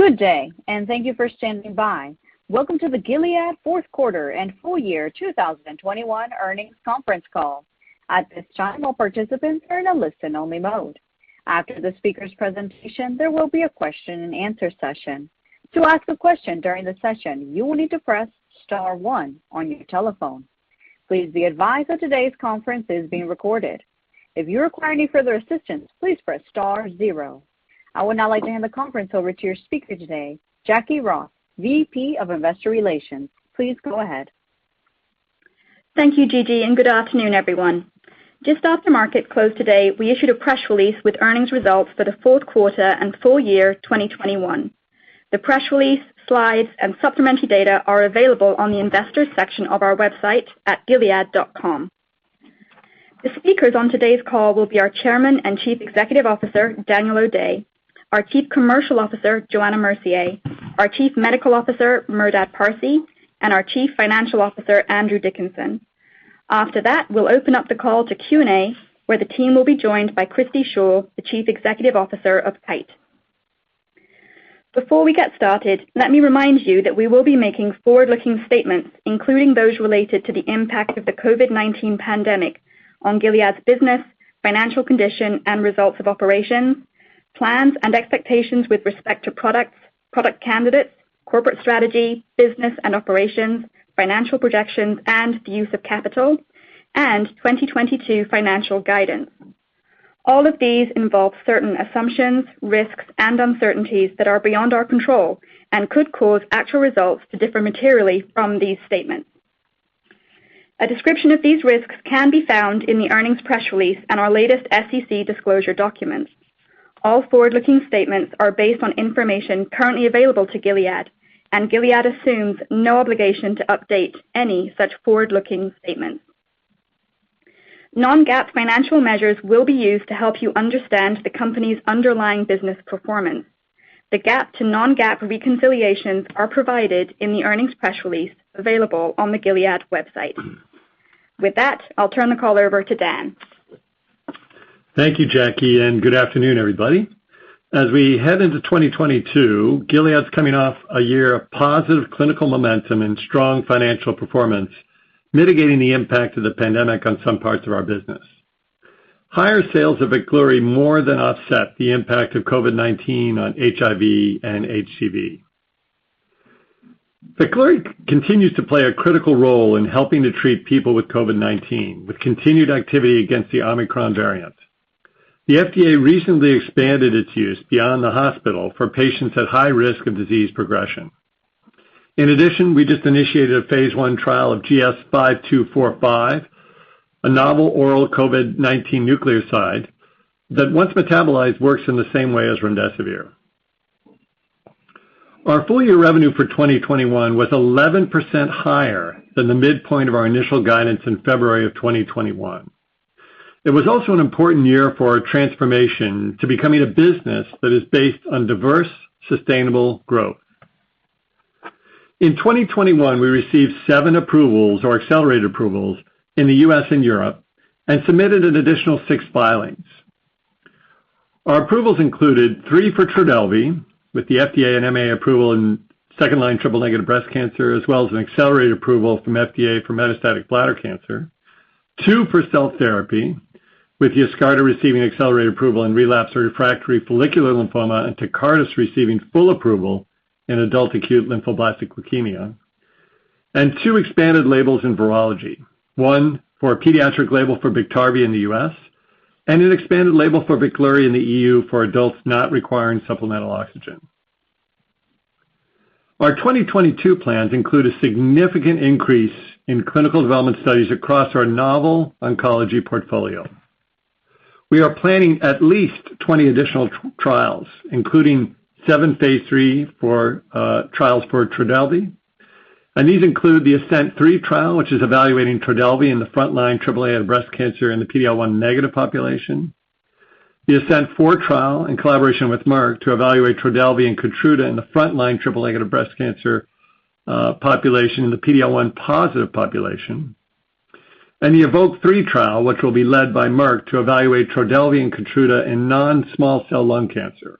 Good day, and thank you for standing by. Welcome to the Gilead fourth quarter and full year 2021 earnings conference call. At this time, all participants are in a listen-only mode. After the speaker's presentation, there will be a question-and-answer session. To ask a question during the session, you will need to press star one on your telephone. Please be advised that today's conference is being recorded. If you require any further assistance, please press star zero. I would now like to hand the conference over to your speaker today, Jacquie Ross, VP of Investor Relations. Please go ahead. Thank you, Gigi, and good afternoon, everyone. Just after market close today, we issued a press release with earnings results for the fourth quarter and full year 2021. The press release, slides, and supplementary data are available on the investors section of our website at gilead.com. The speakers on today's call will be our Chairman and Chief Executive Officer, Daniel O'Day, our Chief Commercial Officer, Johanna Mercier, our Chief Medical Officer, Merdad Parsey, and our Chief Financial Officer, Andrew Dickinson. After that, we'll open up the call to Q&A, where the team will be joined by Christi Shaw, the Chief Executive Officer of Kite. Before we get started, let me remind you that we will be making forward-looking statements, including those related to the impact of the COVID-19 pandemic on Gilead's business, financial condition and results of operations, plans and expectations with respect to products, product candidates, corporate strategy, business and operations, financial projections, and the use of capital, and 2022 financial guidance. All of these involve certain assumptions, risks, and uncertainties that are beyond our control and could cause actual results to differ materially from these statements. A description of these risks can be found in the earnings press release and our latest SEC disclosure documents. All forward-looking statements are based on information currently available to Gilead, and Gilead assumes no obligation to update any such forward-looking statements. Non-GAAP financial measures will be used to help you understand the company's underlying business performance. The GAAP to non-GAAP reconciliations are provided in the earnings press release available on the Gilead website. With that, I'll turn the call over to Dan. Thank you, Jacquie, and good afternoon, everybody. As we head into 2022, Gilead's coming off a year of positive clinical momentum and strong financial performance, mitigating the impact of the pandemic on some parts of our business. Higher sales of Veklury more than offset the impact of COVID-19 on HIV and HCV. Veklury continues to play a critical role in helping to treat people with COVID-19, with continued activity against the Omicron variant. The FDA recently expanded its use beyond the hospital for patients at high risk of disease progression. In addition, we just initiated a phase I trial of GS-5245, a novel oral COVID-19 nucleoside that, once metabolized, works in the same way as remdesivir. Our full year revenue for 2021 was 11% higher than the midpoint of our initial guidance in February of 2021. It was also an important year for our transformation to becoming a business that is based on diverse, sustainable growth. In 2021, we received seven approvals or accelerated approvals in the U.S. and Europe and submitted an additional six filings. Our approvals included three for Trodelvy, with the FDA and MA approval in second-line triple-negative breast cancer, as well as an accelerated approval from FDA for metastatic bladder cancer. Two for cell therapy, with Yescarta receiving accelerated approval in relapse-refractory follicular lymphoma and Tecartus receiving full approval in adult acute lymphoblastic leukemia. Two expanded labels in virology, one for a pediatric label for Biktarvy in the U.S. and an expanded label for Veklury in the E.U. for adults not requiring supplemental oxygen. Our 2022 plans include a significant increase in clinical development studies across our novel oncology portfolio. We are planning at least 20 additional trials, including seven phase III trials for Trodelvy, and these include the ASCENT-3 trial, which is evaluating Trodelvy in the front line triple-negative breast cancer in the PD-L1 negative population. The ASCENT-4 trial, in collaboration with Merck, to evaluate Trodelvy and Keytruda in the front line triple-negative breast cancer population in the PD-L1 positive population. The EVOKE-3 trial, which will be led by Merck, to evaluate Trodelvy and Keytruda in non-small cell lung cancer.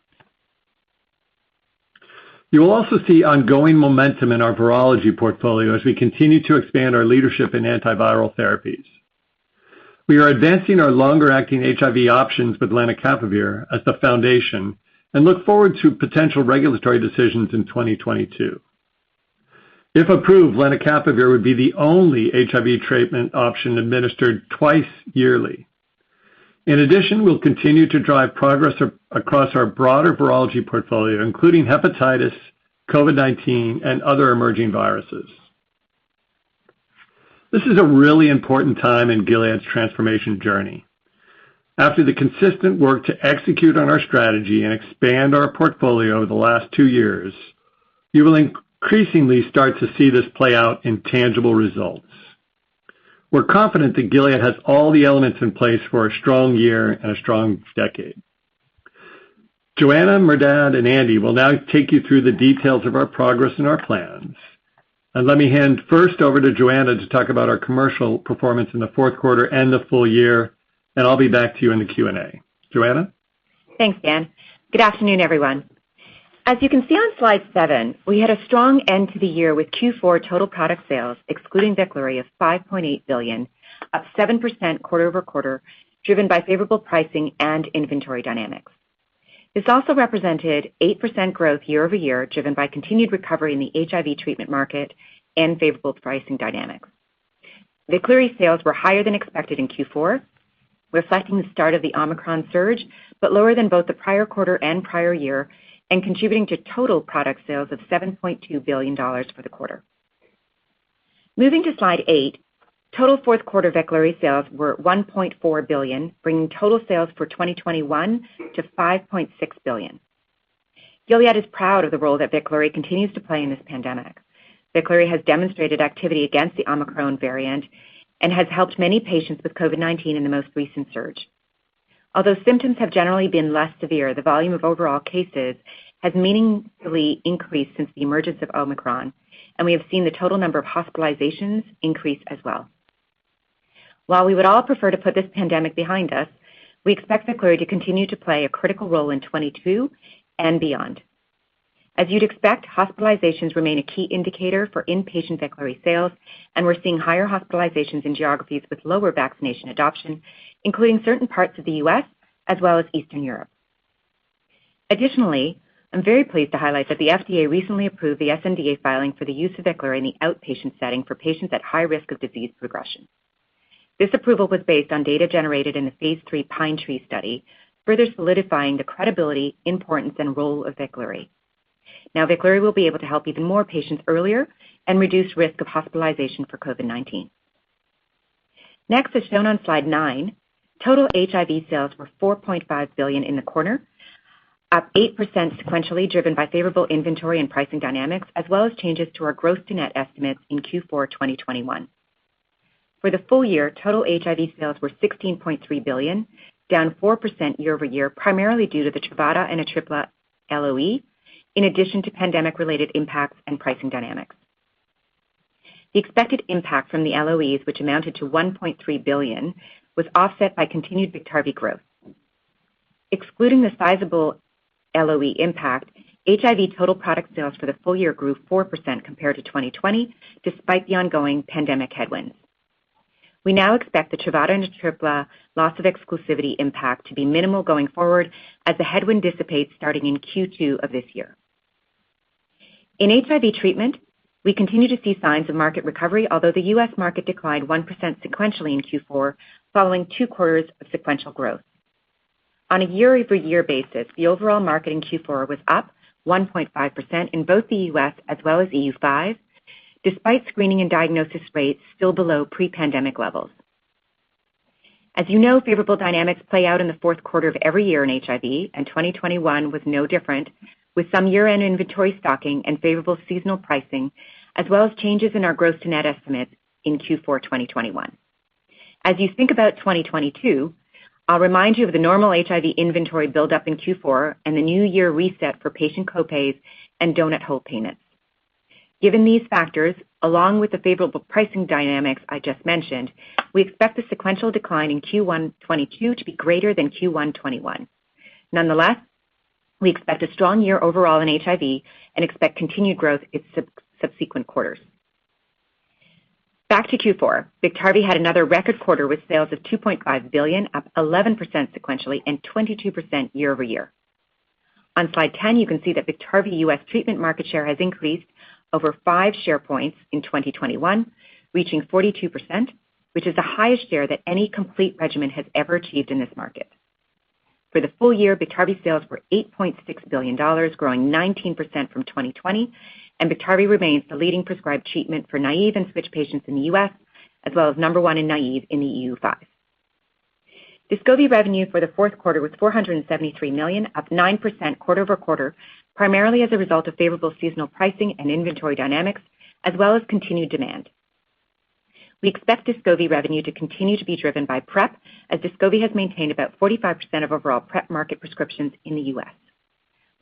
You will also see ongoing momentum in our virology portfolio as we continue to expand our leadership in antiviral therapies. We are advancing our longer-acting HIV options with lenacapavir as the foundation and look forward to potential regulatory decisions in 2022. If approved, lenacapavir would be the only HIV treatment option administered twice yearly. In addition, we'll continue to drive progress across our broader virology portfolio, including hepatitis, COVID-19, and other emerging viruses. This is a really important time in Gilead's transformation journey. After the consistent work to execute on our strategy and expand our portfolio over the last two years, you will increasingly start to see this play out in tangible results. We're confident that Gilead has all the elements in place for a strong year and a strong decade. Johanna, Merdad, and Andy will now take you through the details of our progress and our plans. Let me hand first over to Johanna to talk about our commercial performance in the fourth quarter and the full year, and I'll be back to you in the Q&A. Johanna? Thanks, Dan. Good afternoon, everyone. As you can see on slide seven, we had a strong end to the year with Q4 total product sales, excluding Veklury, of $5.8 billion, up 7% quarter-over-quarter, driven by favorable pricing and inventory dynamics. This also represented 8% growth year-over-year, driven by continued recovery in the HIV treatment market and favorable pricing dynamics. Veklury sales were higher than expected in Q4, reflecting the start of the Omicron surge, but lower than both the prior quarter and prior year, and contributing to total product sales of $7.2 billion for the quarter. Moving to slide eight, total fourth quarter Veklury sales were $1.4 billion, bringing total sales for 2021 to $5.6 billion. Gilead is proud of the role that Veklury continues to play in this pandemic. Veklury has demonstrated activity against the Omicron variant and has helped many patients with COVID-19 in the most recent surge. Although symptoms have generally been less severe, the volume of overall cases has meaningfully increased since the emergence of Omicron, and we have seen the total number of hospitalizations increase as well. While we would all prefer to put this pandemic behind us, we expect Veklury to continue to play a critical role in 2022 and beyond. As you'd expect, hospitalizations remain a key indicator for inpatient Veklury sales, and we're seeing higher hospitalizations in geographies with lower vaccination adoption, including certain parts of the U.S. as well as Eastern Europe. Additionally, I'm very pleased to highlight that the FDA recently approved the sNDA filing for the use of Veklury in the outpatient setting for patients at high risk of disease progression. This approval was based on data generated in the phase III Pinetree study, further solidifying the credibility, importance, and role of Veklury. Now Veklury will be able to help even more patients earlier and reduce risk of hospitalization for COVID-19. Next, as shown on slide nine, total HIV sales were $4.5 billion in the quarter, up 8% sequentially, driven by favorable inventory and pricing dynamics, as well as changes to our gross to net estimates in Q4 2021. For the full year, total HIV sales were $16.3 billion, down 4% year-over-year, primarily due to the Truvada and Atripla LOE, in addition to pandemic-related impacts and pricing dynamics. The expected impact from the LOEs, which amounted to $1.3 billion, was offset by continued Biktarvy growth. Excluding the sizable LOE impact, HIV total product sales for the full year grew 4% compared to 2020, despite the ongoing pandemic headwinds. We now expect the Truvada and Atripla loss of exclusivity impact to be minimal going forward as the headwind dissipates starting in Q2 of this year. In HIV treatment, we continue to see signs of market recovery, although the US market declined 1% sequentially in Q4, following two quarters of sequential growth. On a year-over-year basis, the overall market in Q4 was up 1.5% in both the U.S. as well as EU5, despite screening and diagnosis rates still below pre-pandemic levels. As you know, favorable dynamics play out in the fourth quarter of every year in HIV, and 2021 was no different, with some year-end inventory stocking and favorable seasonal pricing, as well as changes in our gross to net estimates in Q4 2021. As you think about 2022, I'll remind you of the normal HIV inventory buildup in Q4 and the new year reset for patient co-pays and donut hole payments. Given these factors, along with the favorable pricing dynamics I just mentioned, we expect the sequential decline in Q1 2022 to be greater than Q1 2021. Nonetheless, we expect a strong year overall in HIV and expect continued growth in sub-subsequent quarters. Back to Q4. Biktarvy had another record quarter with sales of $2.5 billion, up 11% sequentially and 22% year-over-year. On slide 10, you can see that Biktarvy US treatment market share has increased over 5 share points in 2021, reaching 42%, which is the highest share that any complete regimen has ever achieved in this market. For the full year, Biktarvy sales were $8.6 billion, growing 19% from 2020, and Biktarvy remains the leading prescribed treatment for naive and switch patients in the U.S., as well as number one in naive in the EU5. Descovy revenue for the fourth quarter was $473 million, up 9% quarter-over-quarter, primarily as a result of favorable seasonal pricing and inventory dynamics, as well as continued demand. We expect Descovy revenue to continue to be driven by PrEP, as Descovy has maintained about 45% of overall PrEP market prescriptions in the U.S. We'll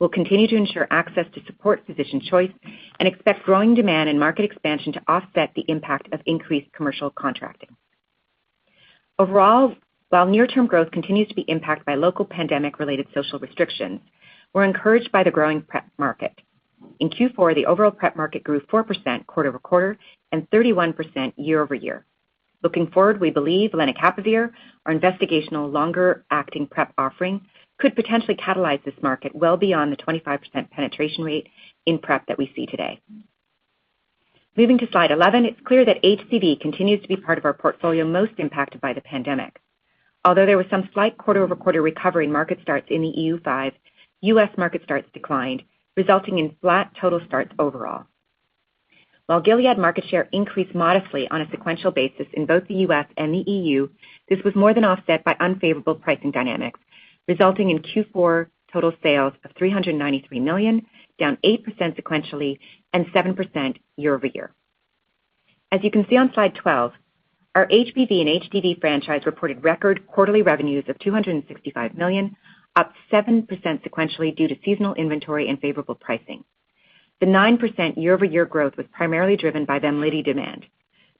continue to ensure access to support physician choice and expect growing demand and market expansion to offset the impact of increased commercial contracting. Overall, while near-term growth continues to be impacted by local pandemic-related social restrictions, we're encouraged by the growing PrEP market. In Q4, the overall PrEP market grew 4% quarter-over-quarter and 31% year-over-year. Looking forward, we believe lenacapavir, our investigational longer-acting PrEP offering, could potentially catalyze this market well beyond the 25% penetration rate in PrEP that we see today. Moving to slide 11, it's clear that HCV continues to be part of our portfolio most impacted by the pandemic. Although there was some slight quarter-over-quarter recovery in market starts in the EU5, US market starts declined, resulting in flat total starts overall. While Gilead market share increased modestly on a sequential basis in both the U.S. and the EU, this was more than offset by unfavorable pricing dynamics, resulting in Q4 total sales of $393 million, down 8% sequentially and 7% year-over-year. As you can see on slide 12, our HBV and HDV franchise reported record quarterly revenues of $265 million, up 7% sequentially due to seasonal inventory and favorable pricing. The 9% year-over-year growth was primarily driven by Vemlidy demand.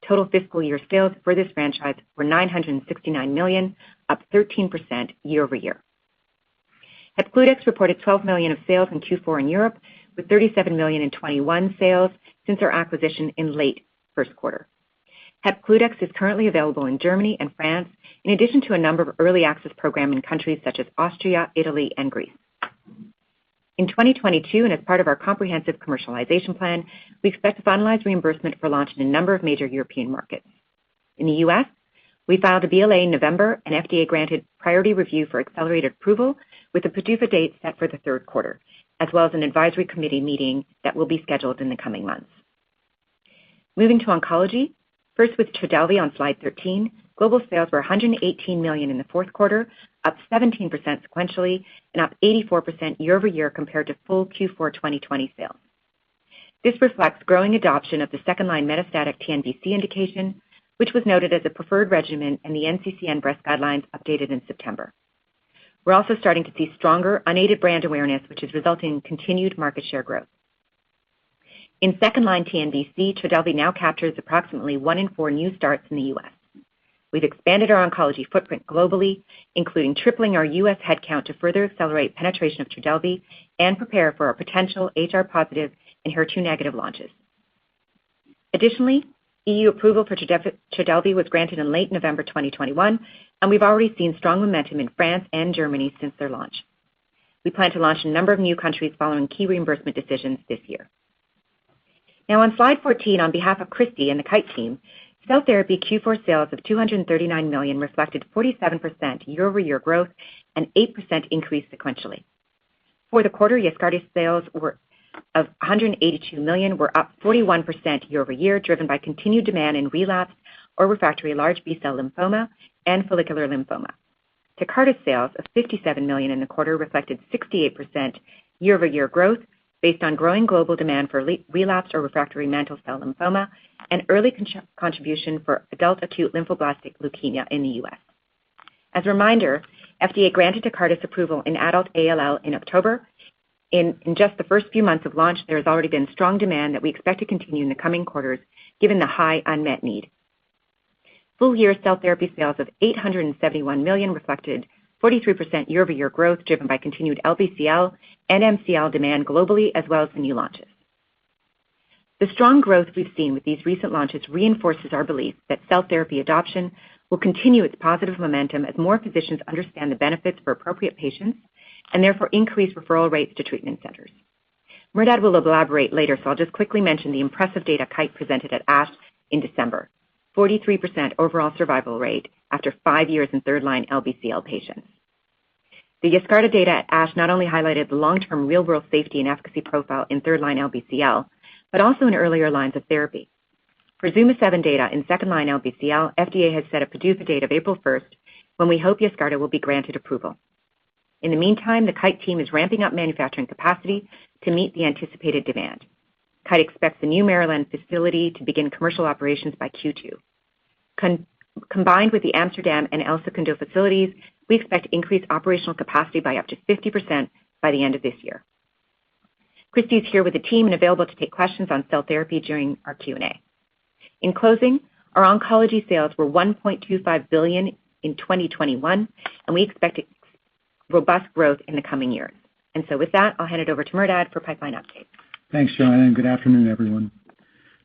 Total fiscal year sales for this franchise were $969 million, up 13% year-over-year. Hepcludex reported $12 million of sales in Q4 in Europe, with $37 million in 2021 sales since our acquisition in late first quarter. Hepcludex is currently available in Germany and France, in addition to a number of early access programs in countries such as Austria, Italy, and Greece. In 2022, as part of our comprehensive commercialization plan, we expect to finalize reimbursement for launch in a number of major European markets. In the U.S., we filed a BLA in November, and FDA granted priority review for accelerated approval with a PDUFA date set for the third quarter, as well as an advisory committee meeting that will be scheduled in the coming months. Moving to oncology, first with Trodelvy on slide 13, global sales were $118 million in the fourth quarter, up 17% sequentially and up 84% year-over-year compared to full Q4 2020 sales. This reflects growing adoption of the second-line metastatic TNBC indication, which was noted as a preferred regimen in the NCCN breast guidelines updated in September. We're also starting to see stronger unaided brand awareness, which is resulting in continued market share growth. In second-line TNBC, Trodelvy now captures approximately one in four new starts in the U.S. We've expanded our oncology footprint globally, including tripling our US head count to further accelerate penetration of Trodelvy and prepare for our potential HR-positive and HER2-negative launches. Additionally, EU approval for Trodelvy was granted in late November 2021, and we've already seen strong momentum in France and Germany since their launch. We plan to launch in a number of new countries following key reimbursement decisions this year. Now on slide 14, on behalf of Christi and the Kite team, cell therapy Q4 sales of $239 million reflected 47% year-over-year growth and 8% increase sequentially. For the quarter, Yescarta sales were of $182 million were up 41% year-over-year, driven by continued demand in relapsed or refractory large B-cell lymphoma and follicular lymphoma. Tecartus sales of $57 million in the quarter reflected 68% year-over-year growth based on growing global demand for relapsed or refractory mantle cell lymphoma and early contribution for adult acute lymphoblastic leukemia in the U.S. As a reminder, FDA granted Tecartus approval in adult ALL in October. In just the first few months of launch, there has already been strong demand that we expect to continue in the coming quarters given the high unmet need. Full-year cell therapy sales of $871 million reflected 43% year-over-year growth, driven by continued LBCL and MCL demand globally as well as the new launches. The strong growth we've seen with these recent launches reinforces our belief that cell therapy adoption will continue its positive momentum as more physicians understand the benefits for appropriate patients and therefore increase referral rates to treatment centers. Merdad will elaborate later, so I'll just quickly mention the impressive data Kite presented at ASH in December. 43% overall survival rate after five years in third-line LBCL patients. The Yescarta data at ASH not only highlighted the long-term real-world safety and efficacy profile in third-line LBCL, but also in earlier lines of therapy. For ZUMA-7 data in second-line LBCL, FDA has set a PDUFA date of April 1 when we hope Yescarta will be granted approval. In the meantime, the Kite team is ramping up manufacturing capacity to meet the anticipated demand. Kite expects the new Maryland facility to begin commercial operations by Q2. Combined with the Amsterdam and El Segundo facilities, we expect increased operational capacity by up to 50% by the end of this year. Christi is here with the team and available to take questions on cell therapy during our Q&A. In closing, our oncology sales were $1.25 billion in 2021, and we expect robust growth in the coming year. With that, I'll hand it over to Merdad for pipeline updates. Thanks, Johanna, and good afternoon, everyone.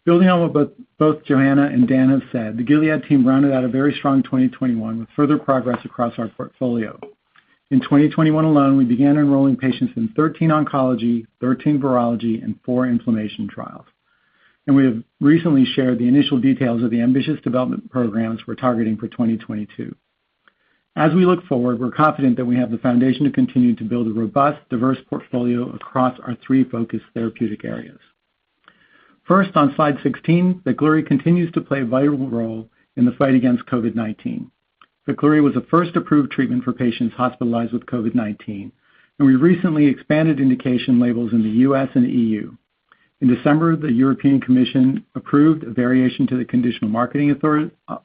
Building on what both Johanna and Dan have said, the Gilead team rounded out a very strong 2021 with further progress across our portfolio. In 2021 alone, we began enrolling patients in 13 oncology, 13 virology, and four inflammation trials. We have recently shared the initial details of the ambitious development programs we're targeting for 2022. As we look forward, we're confident that we have the foundation to continue to build a robust, diverse portfolio across our three focused therapeutic areas. First, on slide 16, Veklury continues to play a vital role in the fight against COVID-19. Veklury was the first approved treatment for patients hospitalized with COVID-19, and we recently expanded indication labels in the U.S. and EU. In December, the European Commission approved a variation to the conditional marketing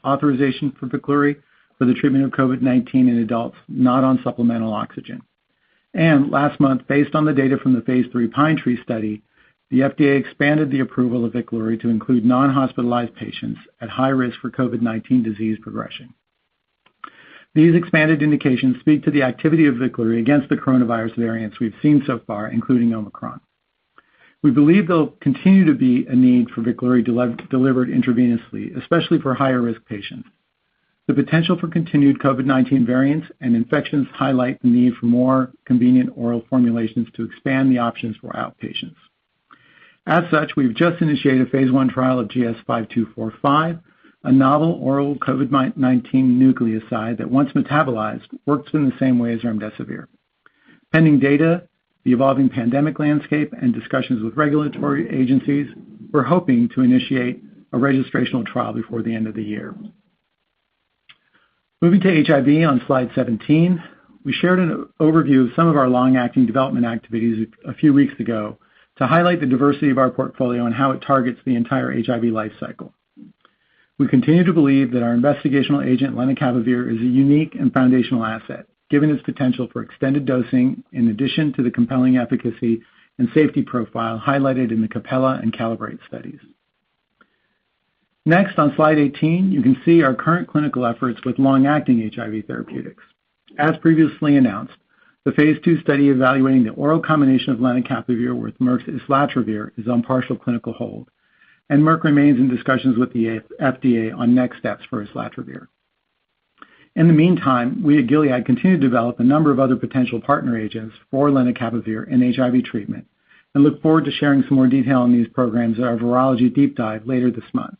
authorization for Veklury for the treatment of COVID-19 in adults not on supplemental oxygen. Last month, based on the data from the phase III PINETREE study, the FDA expanded the approval of Veklury to include non-hospitalized patients at high risk for COVID-19 disease progression. These expanded indications speak to the activity of Veklury against the coronavirus variants we've seen so far, including Omicron. We believe there'll continue to be a need for Veklury delivered intravenously, especially for higher risk patients. The potential for continued COVID-19 variants and infections highlight the need for more convenient oral formulations to expand the options for outpatients. As such, we've just initiated a phase I trial of GS-5245, a novel oral COVID-19 nucleoside that once metabolized, works in the same way as remdesivir. Pending data, the evolving pandemic landscape, and discussions with regulatory agencies, we're hoping to initiate a registrational trial before the end of the year. Moving to HIV on slide 17, we shared an overview of some of our long-acting development activities a few weeks ago to highlight the diversity of our portfolio and how it targets the entire HIV life cycle. We continue to believe that our investigational agent lenacapavir is a unique and foundational asset, given its potential for extended dosing in addition to the compelling efficacy and safety profile highlighted in the CAPELLA and CALIBRATE studies. Next, on slide 18, you can see our current clinical efforts with long-acting HIV therapeutics. As previously announced, the phase II study evaluating the oral combination of lenacapavir with Merck's islatravir is on partial clinical hold, and Merck remains in discussions with the FDA on next steps for islatravir. In the meantime, we at Gilead continue to develop a number of other potential partner agents for lenacapavir in HIV treatment and look forward to sharing some more detail on these programs at our virology deep dive later this month.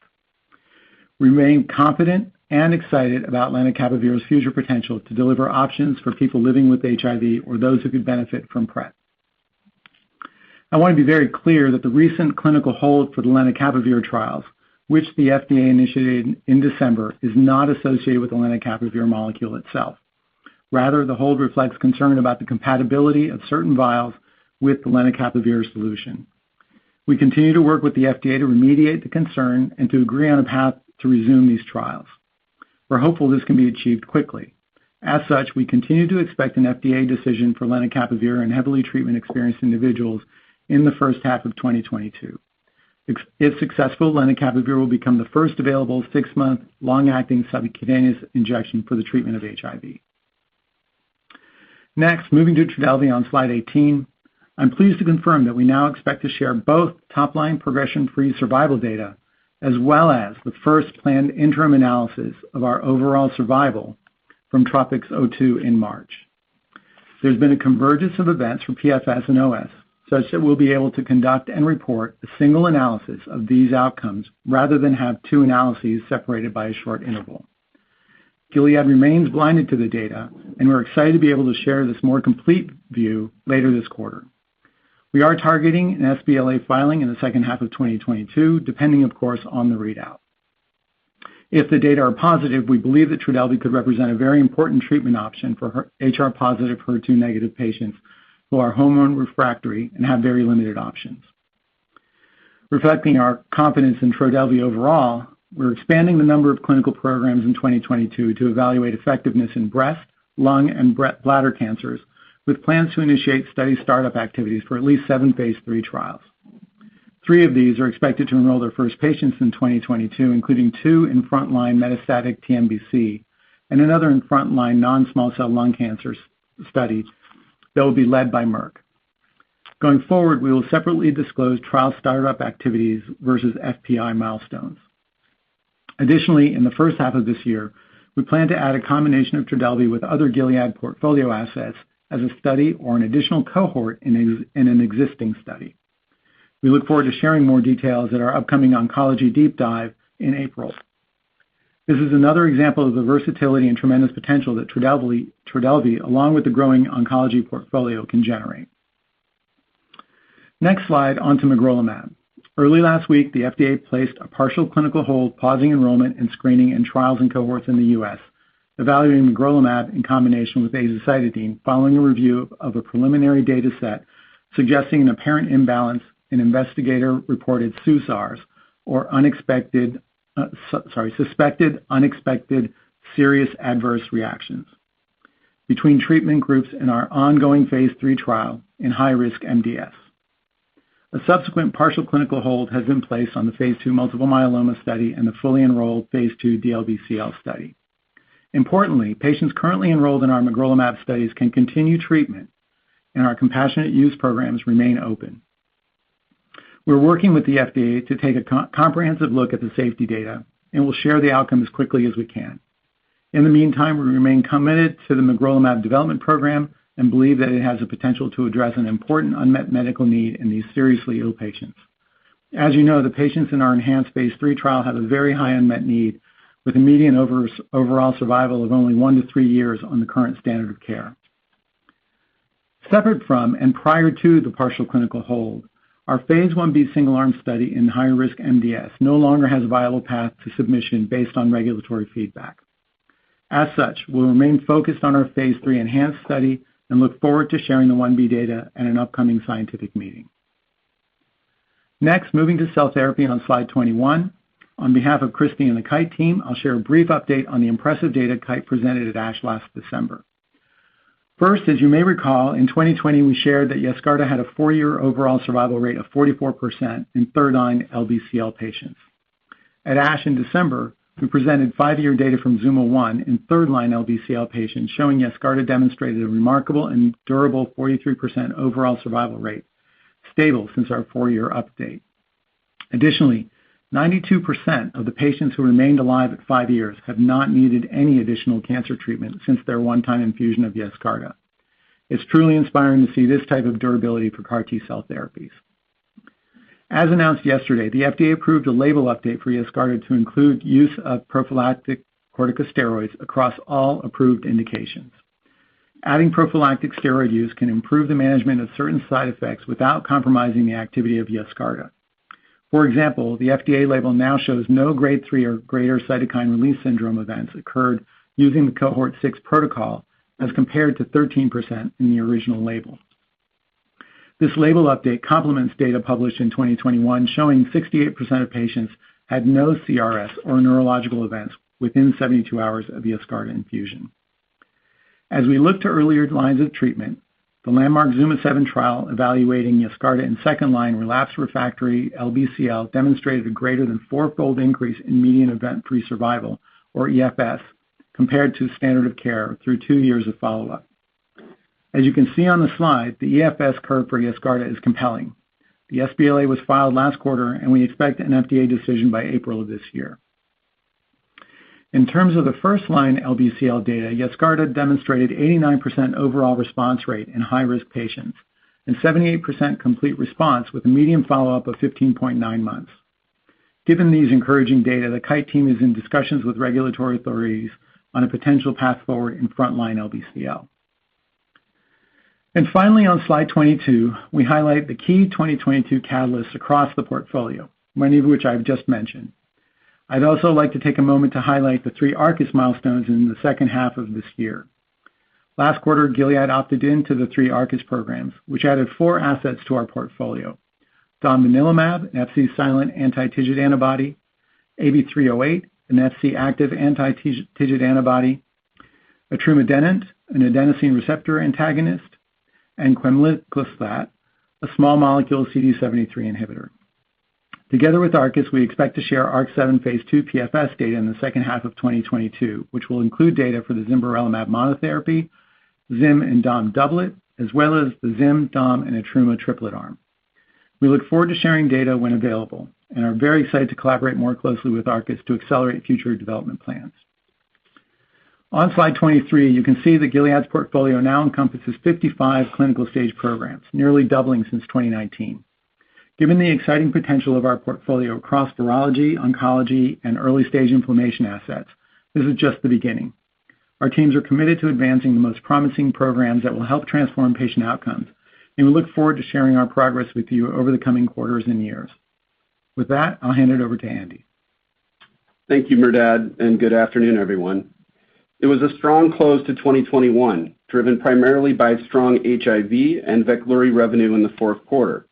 We remain confident and excited about lenacapavir's future potential to deliver options for people living with HIV or those who could benefit from PrEP. I want to be very clear that the recent clinical hold for the lenacapavir trials, which the FDA initiated in December, is not associated with the lenacapavir molecule itself. Rather, the hold reflects concern about the compatibility of certain vials with the lenacapavir solution. We continue to work with the FDA to remediate the concern and to agree on a path to resume these trials. We're hopeful this can be achieved quickly. As such, we continue to expect an FDA decision for lenacapavir in heavily treatment-experienced individuals in the first half of 2022. If successful, lenacapavir will become the first available 6-month long-acting subcutaneous injection for the treatment of HIV. Next, moving to Trodelvy on slide 18, I'm pleased to confirm that we now expect to share both top-line progression-free survival data as well as the first planned interim analysis of our overall survival from TROPiCS-02 in March. There's been a convergence of events for PFS and OS, such that we'll be able to conduct and report a single analysis of these outcomes rather than have two analyses separated by a short interval. Gilead remains blinded to the data, and we're excited to be able to share this more complete view later this quarter. We are targeting an sBLA filing in the second half of 2022, depending of course, on the readout. If the data are positive, we believe that Trodelvy could represent a very important treatment option for HR-positive, HER2-negative patients who are hormone refractory and have very limited options. Reflecting our confidence in Trodelvy overall, we're expanding the number of clinical programs in 2022 to evaluate effectiveness in breast, lung, and bladder cancers with plans to initiate study startup activities for at least seven phase III trials. Three of these are expected to enroll their first patients in 2022, including two in frontline metastatic TNBC and another in frontline non-small cell lung cancer studies that will be led by Merck. Going forward, we will separately disclose trial startup activities versus FPI milestones. Additionally, in the first half of this year, we plan to add a combination of Trodelvy with other Gilead portfolio assets as a study or an additional cohort in an existing study. We look forward to sharing more details at our upcoming oncology deep dive in April. This is another example of the versatility and tremendous potential that Trodelvy, along with the growing oncology portfolio, can generate. Next slide, onto magrolimab. Early last week, the FDA placed a partial clinical hold, pausing enrollment and screening in trials and cohorts in the U.S., evaluating magrolimab in combination with azacitidine following a review of a preliminary data set suggesting an apparent imbalance in investigator-reported SUSARs or suspected unexpected serious adverse reactions between treatment groups in our ongoing phase III trial in high-risk MDS. A subsequent partial clinical hold has been placed on the phase II multiple myeloma study and the fully enrolled phase II DLBCL study. Importantly, patients currently enrolled in our magrolimab studies can continue treatment, and our compassionate use programs remain open. We're working with the FDA to take a comprehensive look at the safety data, and we'll share the outcome as quickly as we can. In the meantime, we remain committed to the magrolimab development program and believe that it has the potential to address an important unmet medical need in these seriously ill patients. As you know, the patients in our enhanced phase III trial have a very high unmet need with a median overall survival of only one to three years on the current standard of care. Separate from and prior to the partial clinical hold, our phase I-B single arm study in high-risk MDS no longer has a viable path to submission based on regulatory feedback. As such, we'll remain focused on our phase III enhanced study and look forward to sharing the I-B data at an upcoming scientific meeting. Next, moving to cell therapy on slide 21. On behalf of Christine and the Kite team, I'll share a brief update on the impressive data Kite presented at ASH last December. First, as you may recall, in 2020 we shared that Yescarta had a four-year overall survival rate of 44% in third-line LBCL patients. At ASH in December, we presented five-year data from ZUMA-1 in third-line LBCL patients showing Yescarta demonstrated a remarkable and durable 43% overall survival rate, stable since our four-year update. 92% of the patients who remained alive at five years have not needed any additional cancer treatment since their one-time infusion of Yescarta. It's truly inspiring to see this type of durability for CAR T-cell therapies. As announced yesterday, the FDA approved a label update for Yescarta to include use of prophylactic corticosteroids across all approved indications. Adding prophylactic steroid use can improve the management of certain side effects without compromising the activity of Yescarta. For example, the FDA label now shows no grade three or greater cytokine release syndrome events occurred using the cohort six protocol as compared to 13% in the original label. This label update complements data published in 2021 showing 68% of patients had no CRS or neurological events within 72 hours of Yescarta infusion. As we look to earlier lines of treatment, the landmark ZUMA-7 trial evaluating Yescarta in second-line relapsed refractory LBCL demonstrated a greater than four fold increase in median event-free survival, or EFS, compared to standard of care through two years of follow-up. As you can see on the slide, the EFS curve for Yescarta is compelling. The sBLA was filed last quarter, and we expect an FDA decision by April of this year. In terms of the first-line LBCL data, Yescarta demonstrated 89% overall response rate in high-risk patients and 78% complete response with a median follow-up of 15.9 months. Given these encouraging data, the Kite team is in discussions with regulatory authorities on a potential path forward in frontline LBCL. Finally, on slide 22, we highlight the key 2022 catalysts across the portfolio, many of which I've just mentioned. I'd also like to take a moment to highlight the three Arcus milestones in the second half of this year. Last quarter, Gilead opted into the three Arcus programs, which added four assets to our portfolio. Domvanalimab, an Fc-silent anti-TIGIT antibody, AB308, an Fc-enabled anti-TIGIT antibody, etrumadenant, an adenosine receptor antagonist, and quemliclustat, a small molecule CD73 inhibitor. Together with Arcus, we expect to share ARC-7 phase II PFS data in the second half of 2022, which will include data for the zimberelimab monotherapy, Zim and Dom doublet, as well as the Zim, Dom, and etruma triplet arm. We look forward to sharing data when available and are very excited to collaborate more closely with Arcus to accelerate future development plans. On slide 23, you can see that Gilead's portfolio now encompasses 55 clinical-stage programs, nearly doubling since 2019. Given the exciting potential of our portfolio across virology, oncology, and early stage inflammation assets, this is just the beginning. Our teams are committed to advancing the most promising programs that will help transform patient outcomes, and we look forward to sharing our progress with you over the coming quarters and years. With that, I'll hand it over to Andy. Thank you, Merdad, and good afternoon, everyone. It was a strong close to 2021, driven primarily by strong HIV and Veklury revenue in the fourth quarter.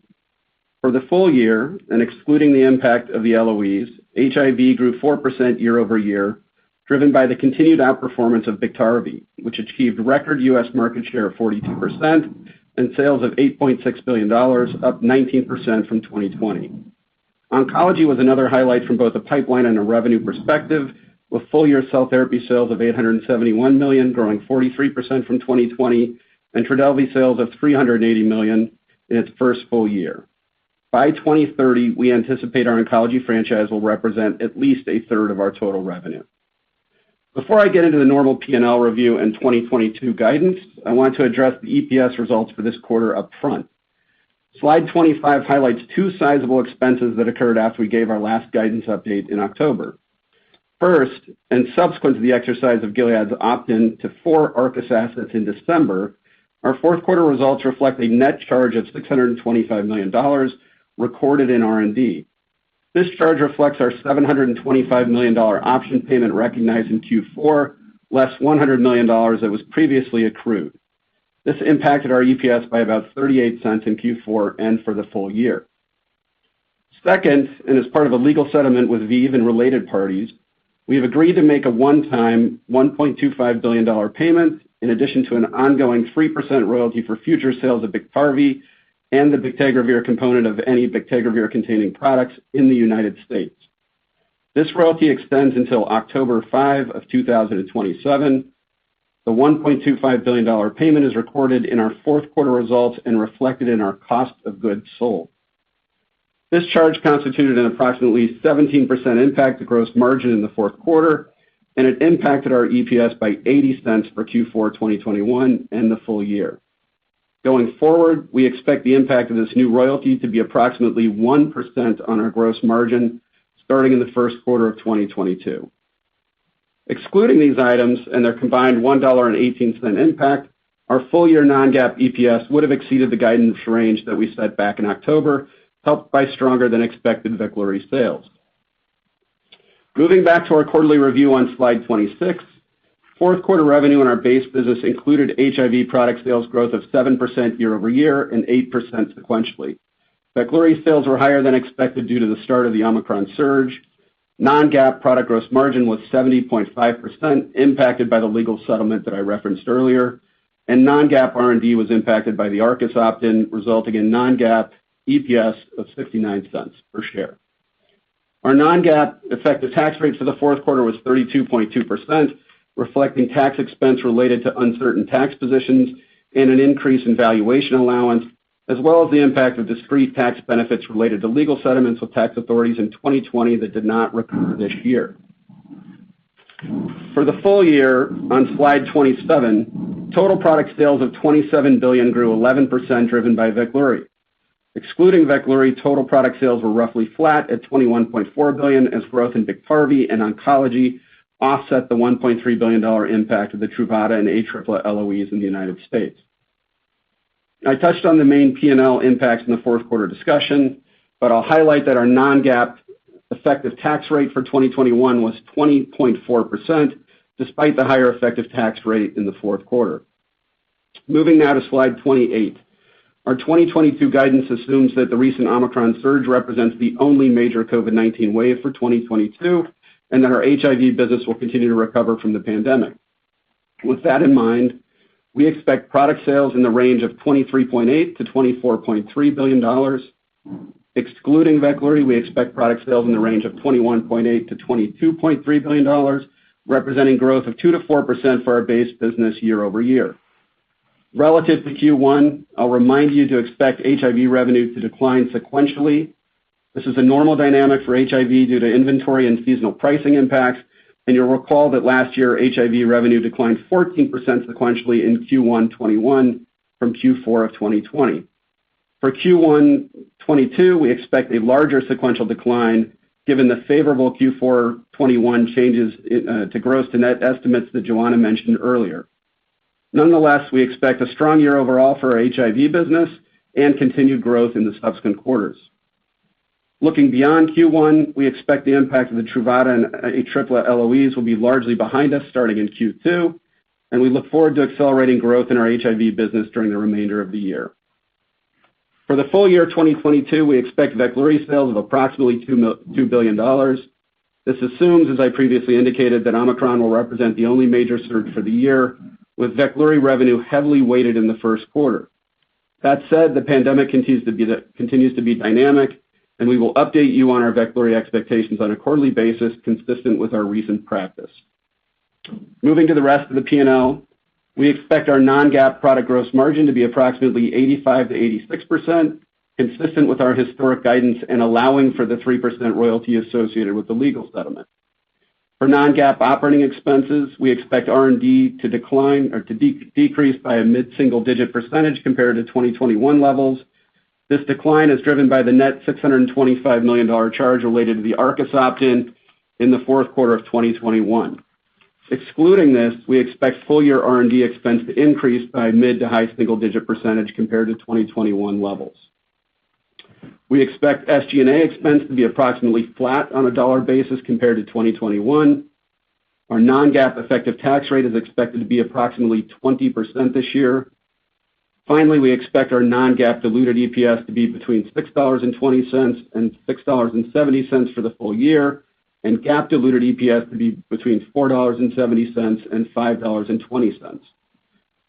For the full year, excluding the impact of the LOEs, HIV grew 4% year-over-year, driven by the continued outperformance of Biktarvy, which achieved record US market share of 42% and sales of $8.6 billion, up 19% from 2020. Oncology was another highlight from both a pipeline and a revenue perspective, with full-year cell therapy sales of $871 million, growing 43% from 2020, and Trodelvy sales of $380 million in its first full year. By 2030, we anticipate our oncology franchise will represent at least a third of our total revenue. Before I get into the normal P&L review and 2022 guidance, I want to address the EPS results for this quarter up front. Slide 25 highlights two sizable expenses that occurred after we gave our last guidance update in October. First, and subsequent to the exercise of Gilead's opt-in to four Arcus assets in December, our fourth quarter results reflect a net charge of $625 million recorded in R&D. This charge reflects our $725 million option payment recognized in Q4, less $100 million that was previously accrued. This impacted our EPS by about $0.38 in Q4 and for the full year. Second, as part of a legal settlement with ViiV and related parties, we have agreed to make a one-time $1.25 billion payment, in addition to an ongoing 3% royalty for future sales of Biktarvy and the bictegravir component of any bictegravir-containing products in the United States. This royalty extends until October 5, 2027. The $1.25 billion payment is recorded in our fourth quarter results and reflected in our cost of goods sold. This charge constituted an approximately 17% impact to gross margin in the fourth quarter, and it impacted our EPS by $0.80 for Q4 2021 and the full year. Going forward, we expect the impact of this new royalty to be approximately 1% on our gross margin starting in the first quarter of 2022. Excluding these items and their combined $1.18 impact, our full-year non-GAAP EPS would have exceeded the guidance range that we set back in October, helped by stronger than expected Veklury sales. Moving back to our quarterly review on slide 26, fourth quarter revenue in our base business included HIV product sales growth of 7% year-over-year and 8% sequentially. Veklury sales were higher than expected due to the start of the Omicron surge. Non-GAAP product gross margin was 70.5%, impacted by the legal settlement that I referenced earlier. Non-GAAP R&D was impacted by the Arcus opt-in, resulting in non-GAAP EPS of $0.69 per share. Our non-GAAP effective tax rate for the fourth quarter was 32.2%, reflecting tax expense related to uncertain tax positions and an increase in valuation allowance, as well as the impact of discrete tax benefits related to legal settlements with tax authorities in 2020 that did not recur this year. For the full year, on slide 27, total product sales of $27 billion grew 11% driven by Veklury. Excluding Veklury, total product sales were roughly flat at $21.4 billion as growth in Biktarvy and oncology offset the $1.3 billion impact of the Truvada and Atripla LOEs in the U.S. I touched on the main P&L impacts in the fourth quarter discussion, but I'll highlight that our non-GAAP effective tax rate for 2021 was 20.4% despite the higher effective tax rate in the fourth quarter. Moving now to slide 28. Our 2022 guidance assumes that the recent Omicron surge represents the only major COVID-19 wave for 2022, and that our HIV business will continue to recover from the pandemic. With that in mind, we expect product sales in the range of $23.8 billion-$24.3 billion. Excluding Veklury, we expect product sales in the range of $21.8 billion-$22.3 billion, representing growth of 2%-4% for our base business year over year. Relative to Q1, I'll remind you to expect HIV revenue to decline sequentially. This is a normal dynamic for HIV due to inventory and seasonal pricing impacts. You'll recall that last year, HIV revenue declined 14% sequentially in Q1 2021 from Q4 of 2020. For Q1 2022, we expect a larger sequential decline given the favorable Q4 2021 changes to gross to net estimates that Johanna mentioned earlier. Nonetheless, we expect a strong year overall for our HIV business and continued growth in the subsequent quarters. Looking beyond Q1, we expect the impact of the Truvada and Atripla LOEs will be largely behind us starting in Q2, and we look forward to accelerating growth in our HIV business during the remainder of the year. For the full year 2022, we expect Veklury sales of approximately $2 billion. This assumes, as I previously indicated, that Omicron will represent the only major surge for the year, with Veklury revenue heavily weighted in the first quarter. That said, the pandemic continues to be dynamic, and we will update you on our Veklury expectations on a quarterly basis consistent with our recent practice. Moving to the rest of the P&L, we expect our non-GAAP product gross margin to be approximately 85%-86%, consistent with our historic guidance and allowing for the 3% royalty associated with the legal settlement. For non-GAAP operating expenses, we expect R&D to decline or to decrease by a mid-single-digit percentage compared to 2021 levels. This decline is driven by the net $625 million charge related to the Arcus option in the fourth quarter of 2021. Excluding this, we expect full-year R&D expense to increase by mid- to high-single-digit percentage compared to 2021 levels. We expect SG&A expense to be approximately flat on a dollar basis compared to 2021. Our non-GAAP effective tax rate is expected to be approximately 20% this year. Finally, we expect our non-GAAP diluted EPS to be between $6.20 and $6.70 for the full year, and GAAP diluted EPS to be between $4.70 and $5.20.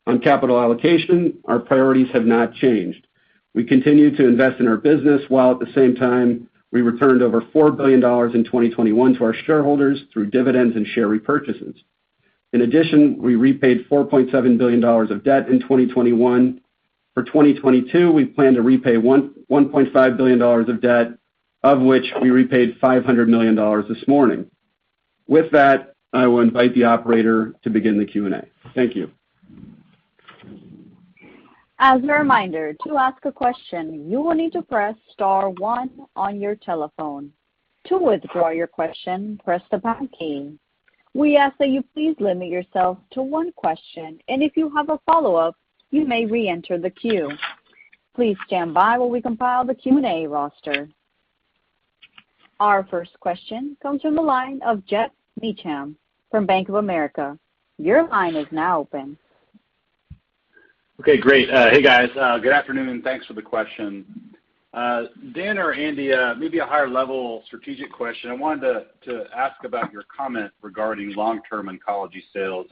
On capital allocation, our priorities have not changed. We continue to invest in our business while at the same time we returned over $4 billion in 2021 to our shareholders through dividends and share repurchases. In addition, we repaid $4.7 billion of debt in 2021. For 2022, we plan to repay $1.5 billion of debt, of which we repaid $500 million this morning. With that, I will invite the operator to begin the Q&A. Thank you. As a reminder, to ask a question, you will need to press star one on your telephone. To withdraw your question, press the pound key. We ask that you please limit yourself to one question, and if you have a follow-up, you may reenter the queue. Please stand by while we compile the Q&A roster. Our first question comes from the line of Geoff Meacham from Bank of America. Your line is now open. Okay, great. Hey, guys, good afternoon, and thanks for the question. Dan or Andy, maybe a higher level strategic question. I wanted to ask about your comment regarding long-term oncology sales.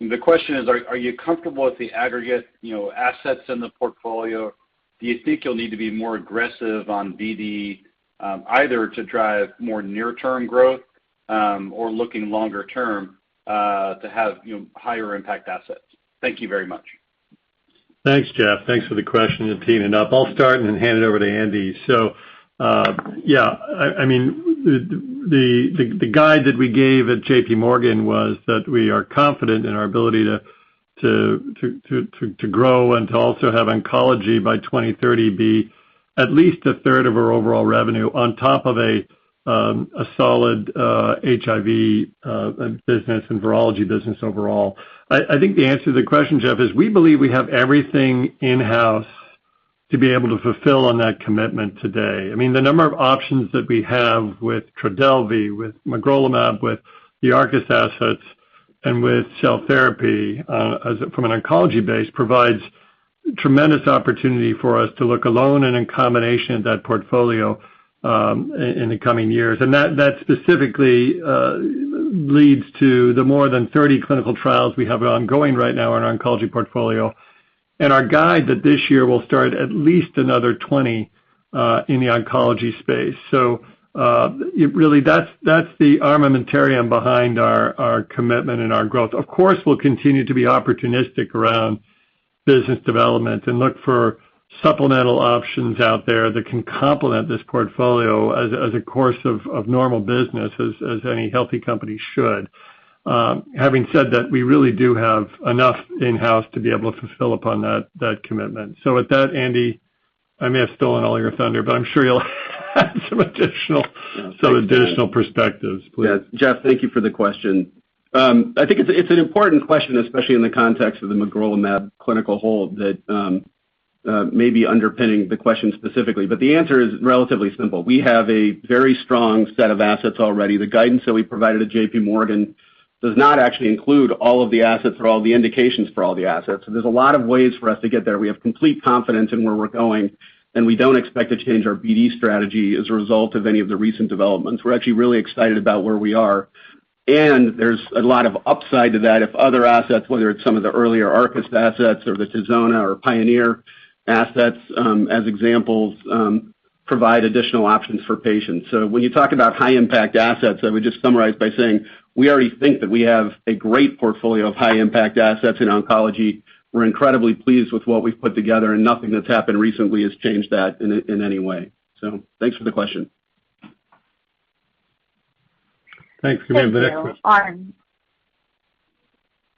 The question is, are you comfortable with the aggregate, you know, assets in the portfolio? Do you think you'll need to be more aggressive on BD, either to drive more near-term growth, or looking longer term, to have, you know, higher impact assets? Thank you very much. Thanks, Jeff. Thanks for the question, and teeing it up. I'll start and then hand it over to Andy. I mean, the guide that we gave at J.P. Morgan was that we are confident in our ability to grow and to also have oncology by 2030 be at least a third of our overall revenue on top of a solid HIV business and virology business overall. I think the answer to the question, Jeff, is we believe we have everything in-house to be able to fulfill on that commitment today. I mean, the number of options that we have with Trodelvy, with magrolimab, with the Arcus assets, and with cell therapy, from an oncology base, provides tremendous opportunity for us to look alone and in combination at that portfolio, in the coming years. That specifically leads to the more than 30 clinical trials we have ongoing right now in our oncology portfolio. Our guide that this year we'll start at least another 20, in the oncology space. That's the armamentarium behind our commitment and our growth. Of course, we'll continue to be opportunistic around business development and look for supplemental options out there that can complement this portfolio as a course of normal business as any healthy company should. Having said that, we really do have enough in-house to be able to fulfill upon that commitment. With that, Andy, I may have stolen all your thunder, but I'm sure you'll have some additional Yeah. Thanks, Geoff. Some additional perspectives, please. Yes. Geoff, thank you for the question. I think it's an important question, especially in the context of the magrolimab clinical hold that may be underpinning the question specifically, but the answer is relatively simple. We have a very strong set of assets already. The guidance that we provided at JPMorgan does not actually include all of the assets or all the indications for all the assets. There's a lot of ways for us to get there. We have complete confidence in where we're going, and we don't expect to change our BD strategy as a result of any of the recent developments. We're actually really excited about where we are, and there's a lot of upside to that if other assets, whether it's some of the earlier Arcus assets or the Tizona or Pionyr assets, as examples, provide additional options for patients. When you talk about high-impact assets, I would just summarize by saying we already think that we have a great portfolio of high-impact assets in oncology. We're incredibly pleased with what we've put together, and nothing that's happened recently has changed that in any way. Thanks for the question. Thanks. Can we have the next question? Thank you.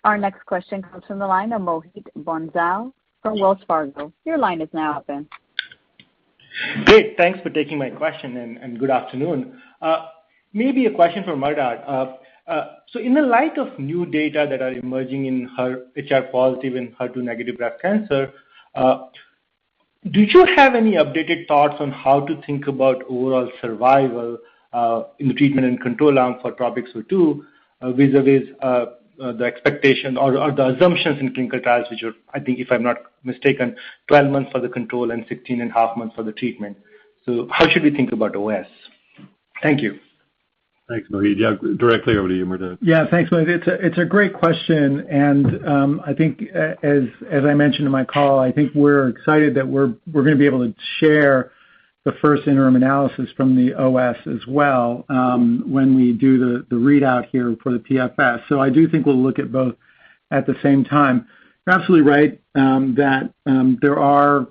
Our next question comes from the line of Mohit Bansal from Wells Fargo. Your line is now open. Great. Thanks for taking my question and good afternoon. Maybe a question for Merdad. So in the light of new data that are emerging in HR positive and HER2 negative breast cancer, do you have any updated thoughts on how to think about overall survival in the treatment and control arm for TROPiCS-02, vis-a-vis the expectation or the assumptions in clinical trials, which are, I think, if I'm not mistaken, 12 months for the control and 16.5 months for the treatment. How should we think about OS? Thank you. Thanks, Mohit. Yeah, directly over to you, Merdad. Yeah, thanks, Mohit. It's a great question, and I think as I mentioned in my call, I think we're excited that we're gonna be able to share the first interim analysis from the OS as well when we do the readout here for the PFS. I do think we'll look at both at the same time. You're absolutely right that there are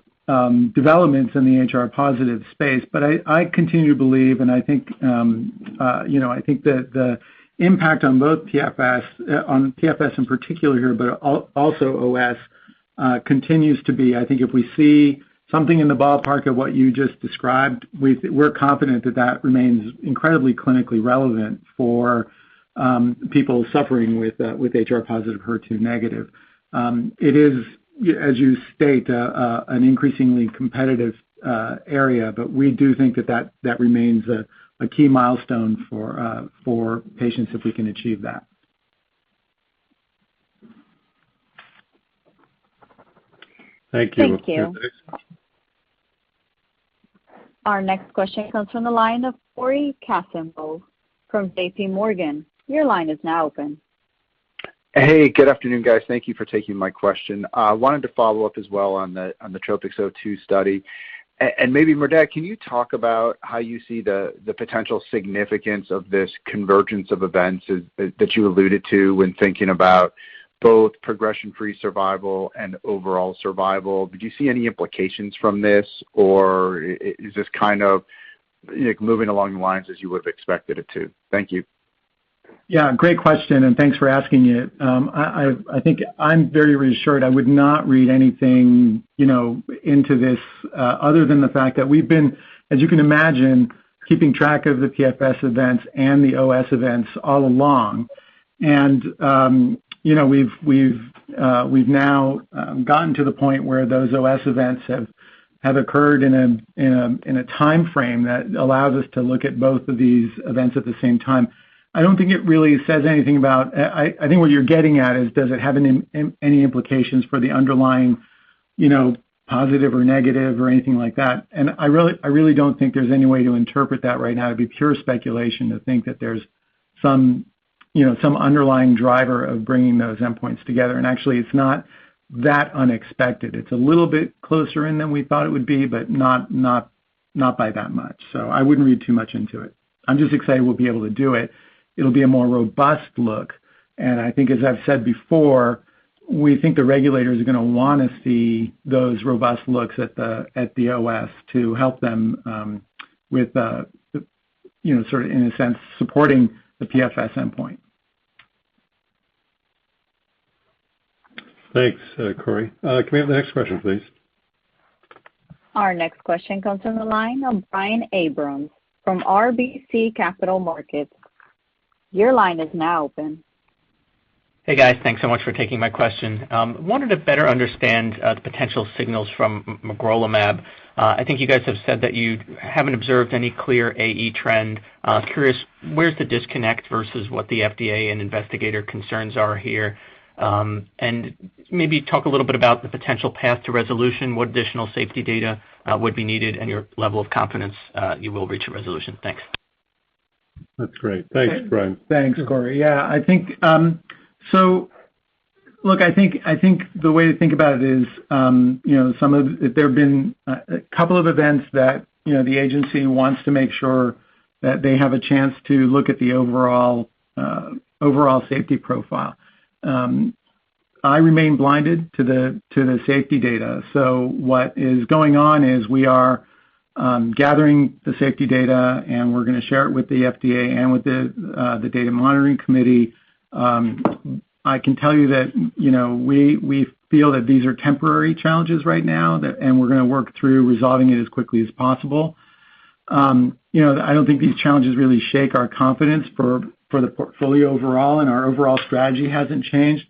developments in the HR-positive space. I continue to believe, and I think you know I think that the impact on both PFS, on PFS in particular here, but also OS continues to be. I think if we see something in the ballpark of what you just described, we're confident that that remains incredibly clinically relevant for people suffering with HR-positive, HER2-negative. It is, as you state, an increasingly competitive area, but we do think that remains a key milestone for patients if we can achieve that. Thank you. Thank you. Can we have the next? Our next question comes from the line of Cory Kasimov from JPMorgan. Your line is now open. Hey, good afternoon, guys. Thank you for taking my question. Wanted to follow up as well on the TROPiCS-02 study. Maybe, Merdad, can you talk about how you see the potential significance of this convergence of events that you alluded to when thinking about both progression-free survival and overall survival? Did you see any implications from this, or is this kind of, you know, moving along the lines as you would have expected it to? Thank you. Yeah, great question, and thanks for asking it. I think I'm very reassured. I would not read anything, you know, into this, other than the fact that we've been, as you can imagine, keeping track of the PFS events and the OS events all along. You know, we've now gotten to the point where those OS events have occurred in a timeframe that allows us to look at both of these events at the same time. I don't think it really says anything about. I think what you're getting at is does it have any implications for the underlying, you know, positive or negative or anything like that. I really don't think there's any way to interpret that right now. It'd be pure speculation to think that there's some, you know, some underlying driver of bringing those endpoints together. Actually, it's not that unexpected. It's a little bit closer in than we thought it would be, but not by that much. I wouldn't read too much into it. I'm just excited we'll be able to do it. It'll be a more robust look, and I think, as I've said before, we think the regulators are gonna wanna see those robust looks at the OS to help them with, you know, sort of in a sense supporting the PFS endpoint. Thanks, Cory. Can we have the next question, please? Our next question comes from the line of Brian Abrahams from RBC Capital Markets. Your line is now open. Hey, guys. Thanks so much for taking my question. Wanted to better understand the potential signals from magrolimab. I think you guys have said that you haven't observed any clear AE trend. Curious, where's the disconnect versus what the FDA and investigator concerns are here? Maybe talk a little bit about the potential path to resolution, what additional safety data would be needed and your level of confidence you will reach a resolution. Thanks. That's great. Thanks, Brian. Thanks, Corey. Yeah, I think look, I think the way to think about it is, you know, there have been a couple of events that, you know, the agency wants to make sure that they have a chance to look at the overall safety profile. I remain blinded to the safety data. What is going on is we are gathering the safety data, and we're gonna share it with the FDA and with the data monitoring committee. I can tell you that, you know, we feel that these are temporary challenges right now, and we're gonna work through resolving it as quickly as possible. You know, I don't think these challenges really shake our confidence for the portfolio overall, and our overall strategy hasn't changed.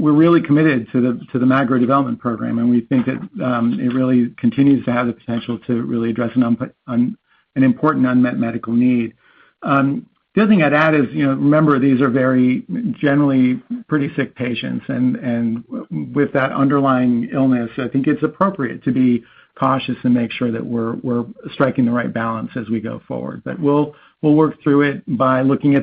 We're really committed to the magro development program, and we think that it really continues to have the potential to really address an important unmet medical need. The other thing I'd add is, you know, remember these are very generally pretty sick patients and with that underlying illness, I think it's appropriate to be cautious and make sure that we're striking the right balance as we go forward. We'll work through it by looking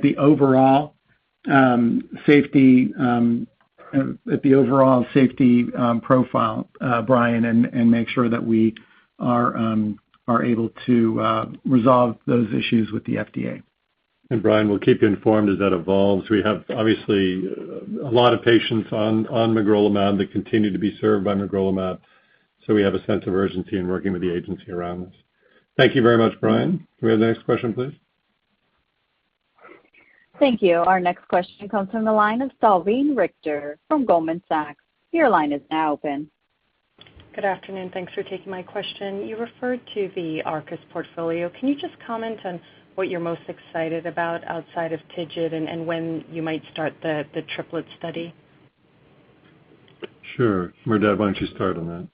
at the overall safety profile, Brian, and make sure that we are able to resolve those issues with the FDA. Brian, we'll keep you informed as that evolves. We have obviously a lot of patients on magrolimab that continue to be served by magrolimab, so we have a sense of urgency in working with the agency around this. Thank you very much, Brian. Can we have the next question, please? Thank you. Our next question comes from the line of Salveen Richter from Goldman Sachs. Your line is now open. Good afternoon, thanks for taking my question. You referred to the Arcus portfolio. Can you just comment on what you're most excited about outside of TIGIT and when you might start the triplet study? Sure. Merdad, why don't you start on that?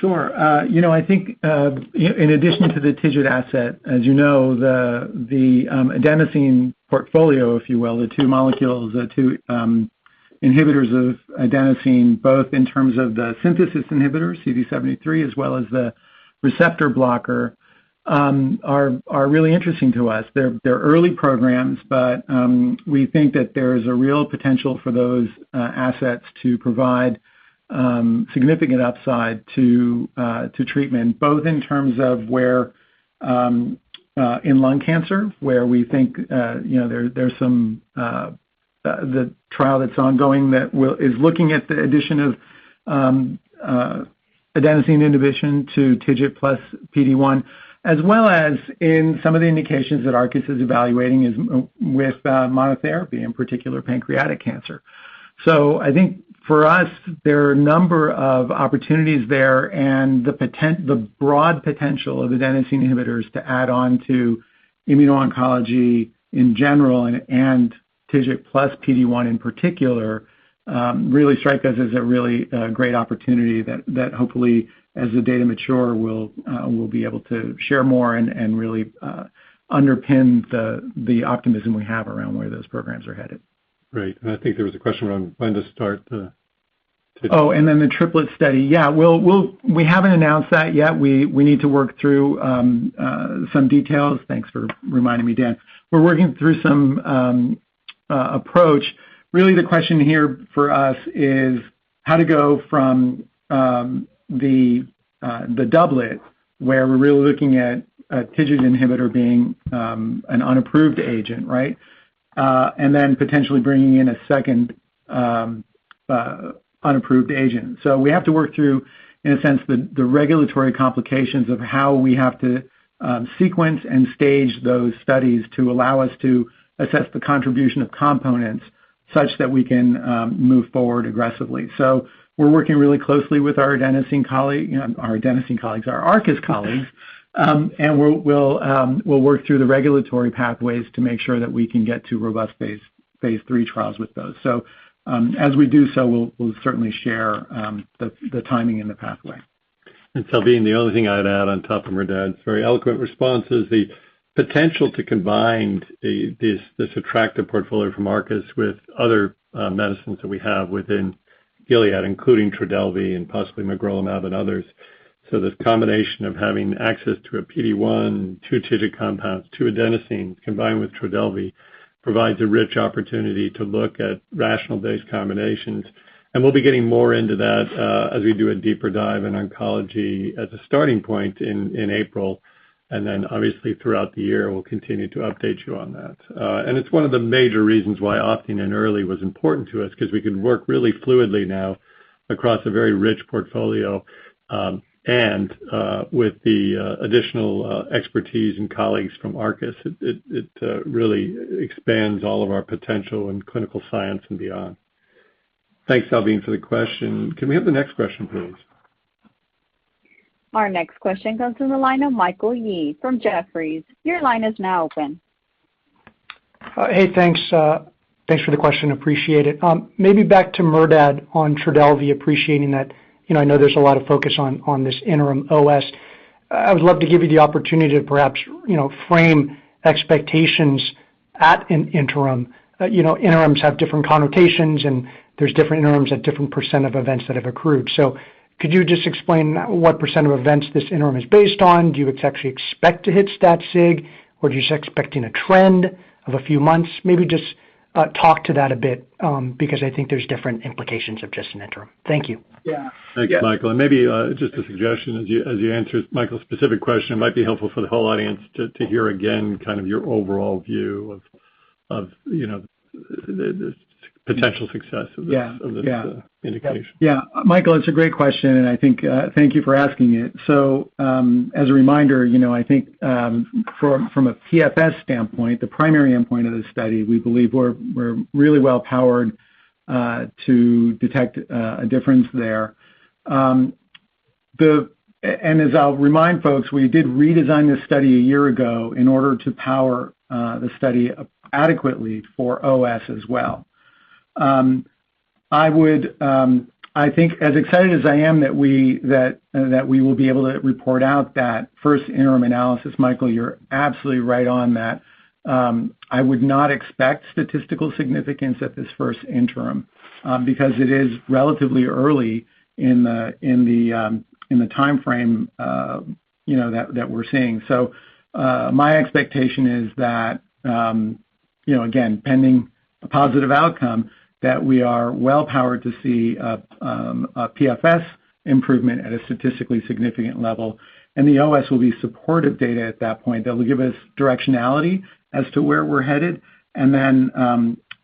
Sure. You know, I think in addition to the TIGIT asset, as you know, the adenosine portfolio, if you will, the two molecules, the two inhibitors of adenosine, both in terms of the synthesis inhibitor, CD73, as well as the receptor blocker, are really interesting to us. They're early programs, but we think that there's a real potential for those assets to provide significant upside to treatment, both in terms of in lung cancer, where we think you know, there's some the trial that's ongoing is looking at the addition of adenosine inhibition to TIGIT plus PD-1, as well as in some of the indications that Arcus is evaluating with monotherapy, in particular pancreatic cancer. I think for us, there are a number of opportunities there and the broad potential of adenosine inhibitors to add on to immuno-oncology in general and TIGIT plus PD-1 in particular really strike us as a really great opportunity that hopefully as the data mature, we'll be able to share more and really underpin the optimism we have around where those programs are headed. Great. I think there was a question around when to start the TIGIT. Oh, the triplet study. Yeah. We'll. We haven't announced that yet. We need to work through some details. Thanks for reminding me, Dan. We're working through some approach. Really the question here for us is how to go from the doublet, where we're really looking at a TIGIT inhibitor being an unapproved agent, right? And then potentially bringing in a second unapproved agent. We have to work through, in a sense, the regulatory complications of how we have to sequence and stage those studies to allow us to assess the contribution of components such that we can move forward aggressively. We're working really closely with our adenosine colleague, you know, our adenosine colleagues, our Arcus colleagues. We'll work through the regulatory pathways to make sure that we can get to robust phase III trials with those. As we do so, we'll certainly share the timing and the pathway. Salveen, the only thing I'd add on top of Merdad's very eloquent response is the potential to combine this attractive portfolio from Arcus with other medicines that we have within Gilead, including Trodelvy and possibly magrolimab and others. This combination of having access to a PD-1, too, TIGIT compounds, too, adenosine combined with Trodelvy provides a rich opportunity to look at rational-based combinations. We'll be getting more into that as we do a deeper dive in oncology as a starting point in April, and then obviously throughout the year we'll continue to update you on that. It's one of the major reasons why opting in early was important to us 'cause we can work really fluidly now across a very rich portfolio, and with the additional expertise and colleagues from Arcus, it really expands all of our potential in clinical science and beyond. Thanks, Salveen, for the question. Can we have the next question, please? Our next question comes from the line of Michael Yee from Jefferies. Your line is now open. Hey, thanks. Thanks for the question, appreciate it. Maybe back to Merdad on Trodelvy, appreciating that, you know, I know there's a lot of focus on this interim OS. I would love to give you the opportunity to perhaps, you know, frame expectations at an interim. You know, interims have different connotations, and there's different interims at different % of events that have accrued. So could you just explain what % of events this interim is based on? Do you actually expect to hit stat sig, or are you just expecting a trend of a few months? Maybe just talk to that a bit, because I think there's different implications of just an interim. Thank you. Yeah. Yeah. Thanks, Michael, and maybe just a suggestion as you answer Michael's specific question, it might be helpful for the whole audience to hear again kind of your overall view of, you know, the potential success of this- Yeah. of this indication. Yeah. Michael, it's a great question, and I think, thank you for asking it. So, as a reminder, you know, I think, from a PFS standpoint, the primary endpoint of this study, we believe we're really well powered to detect a difference there. As I'll remind folks, we did redesign this study a year ago in order to power the study adequately for OS as well. I would, I think as excited as I am that we will be able to report out that first interim analysis, Michael, you're absolutely right on that. I would not expect statistical significance at this first interim because it is relatively early in the timeframe, you know, that we're seeing. My expectation is that, you know, again, pending a positive outcome, that we are well powered to see a PFS improvement at a statistically significant level, and the OS will be supportive data at that point that will give us directionality as to where we're headed.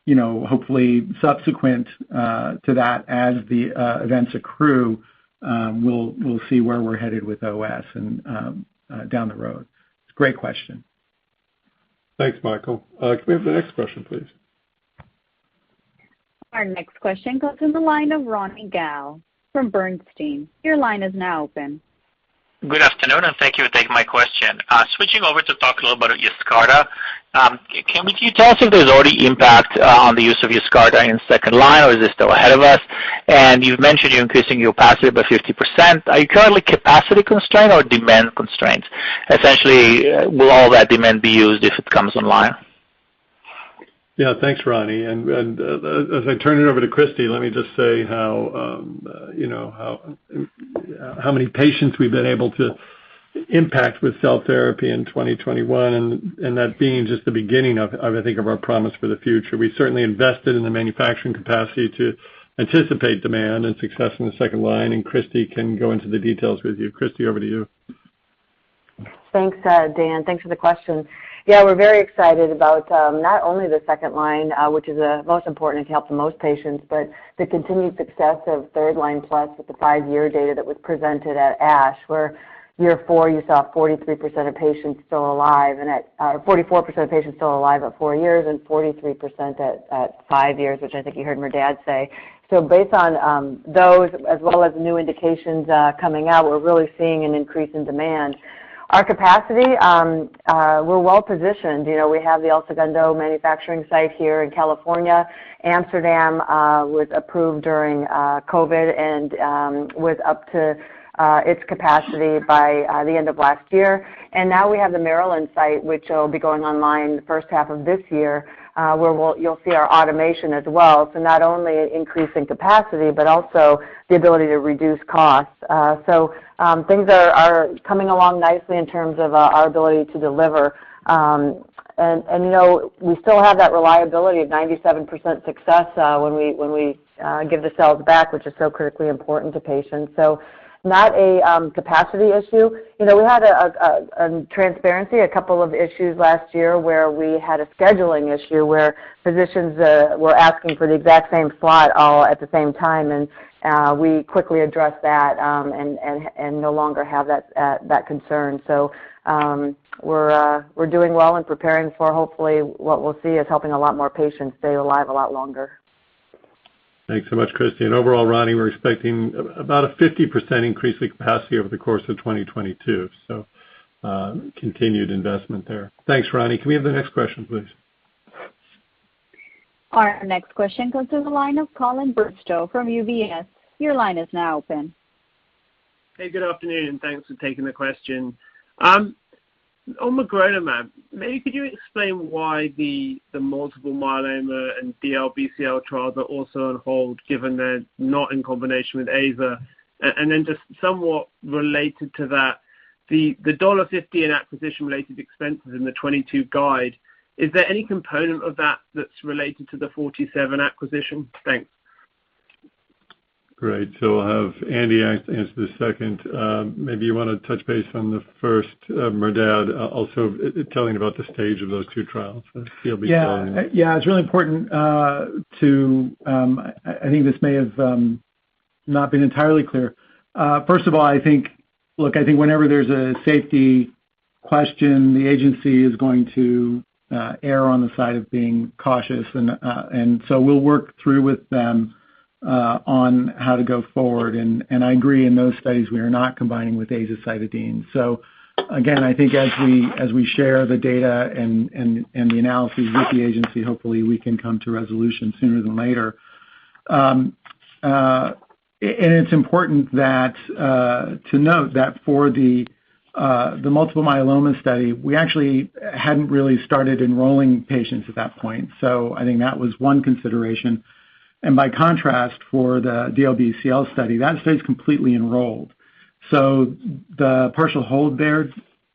You know, hopefully subsequent to that as the events accrue, we'll see where we're headed with OS and down the road. It's a great question. Thanks, Michael. Can we have the next question, please? Our next question goes to the line of Ronny Gal from Bernstein. Your line is now open. Good afternoon, and thank you for taking my question. Switching over to talk a little about Yescarta. Can you tell us if there's already impact on the use of Yescarta in second line, or is this still ahead of us? You've mentioned you're increasing your capacity by 50%. Are you currently capacity constrained or demand constrained? Essentially, will all that demand be used if it comes online? Yeah, thanks, Ronny Gal. As I turn it over to Christi Shaw, let me just say how you know how many patients we've been able to impact with cell therapy in 2021, and that being just the beginning of I think our promise for the future. We certainly invested in the manufacturing capacity to anticipate demand and success in the second line, and Christi Shaw can go into the details with you. Christi Shaw, over to you. Thanks, Dan. Thanks for the question. Yeah, we're very excited about not only the second line, which is most important to help the most patients, but the continued success of third line plus with the five-year data that was presented at ASH, where year four, you saw 43% of patients still alive and at 44% of patients still alive at four years and 43% at five years, which I think you heard Merdad say. Based on those, as well as new indications coming out, we're really seeing an increase in demand. Our capacity, we're well-positioned. You know, we have the El Segundo manufacturing site here in California. Amsterdam was approved during COVID and was up to its capacity by the end of last year. Now we have the Maryland site, which will be going online the first half of this year, where you'll see our automation as well. Not only an increase in capacity, but also the ability to reduce costs. Things are coming along nicely in terms of our ability to deliver. You know, we still have that reliability of 97% success when we give the cells back, which is so critically important to patients. Not a capacity issue. You know, we had a transparency, a couple of issues last year where we had a scheduling issue where physicians were asking for the exact same slot all at the same time. We quickly addressed that and no longer have that concern. We're doing well and preparing for hopefully what we'll see is helping a lot more patients stay alive a lot longer. Thanks so much, Christie. Overall, Ronny, we're expecting about a 50% increase in capacity over the course of 2022. Continued investment there. Thanks, Ronny. Can we have the next question, please? Our next question goes to the line of Colin Bristow from UBS. Your line is now open. Hey, good afternoon, and thanks for taking the question. On magrolimab, maybe could you explain why the multiple myeloma and DLBCL trials are also on hold given they're not in combination with AzA? Just somewhat related to that, the $150 in acquisition-related expenses in the 2022 guide, is there any component of that that's related to the Forty Seven acquisition? Thanks. Great. I'll have Andy answer the second. Maybe you wanna touch base on the first, Merdad, also telling about the stage of those two trials for DLBCL. Yeah. Yeah. It's really important. I think this may have not been entirely clear. First of all, I think, look, I think whenever there's a safety question, the agency is going to err on the side of being cautious. We'll work through with them on how to go forward. I agree in those studies, we are not combining with azacitidine. Again, I think as we share the data and the analysis with the agency, hopefully we can come to resolution sooner than later. It's important to note that for the multiple myeloma study, we actually hadn't really started enrolling patients at that point. I think that was one consideration. By contrast, for the DLBCL study, that study is completely enrolled. The partial hold there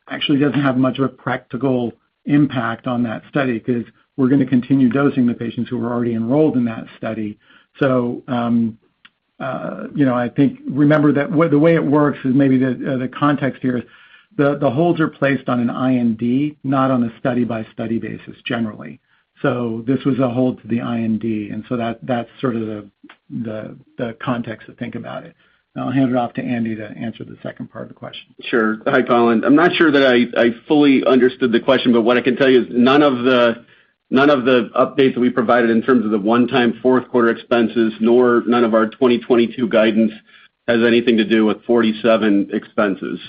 actually doesn't have much of a practical impact on that study because we're gonna continue dosing the patients who are already enrolled in that study. You know, I think remember that the way it works is maybe the context here is the holds are placed on an IND, not on a study-by-study basis, generally. This was a hold to the IND, and so that's sort of the context to think about it. I'll hand it off to Andy to answer the second part of the question. Sure. Hi, Colin. I'm not sure that I fully understood the question, but what I can tell you is none of the updates we provided in terms of the one-time fourth quarter expenses, nor none of our 2022 guidance has anything to do with Forty Seven expenses.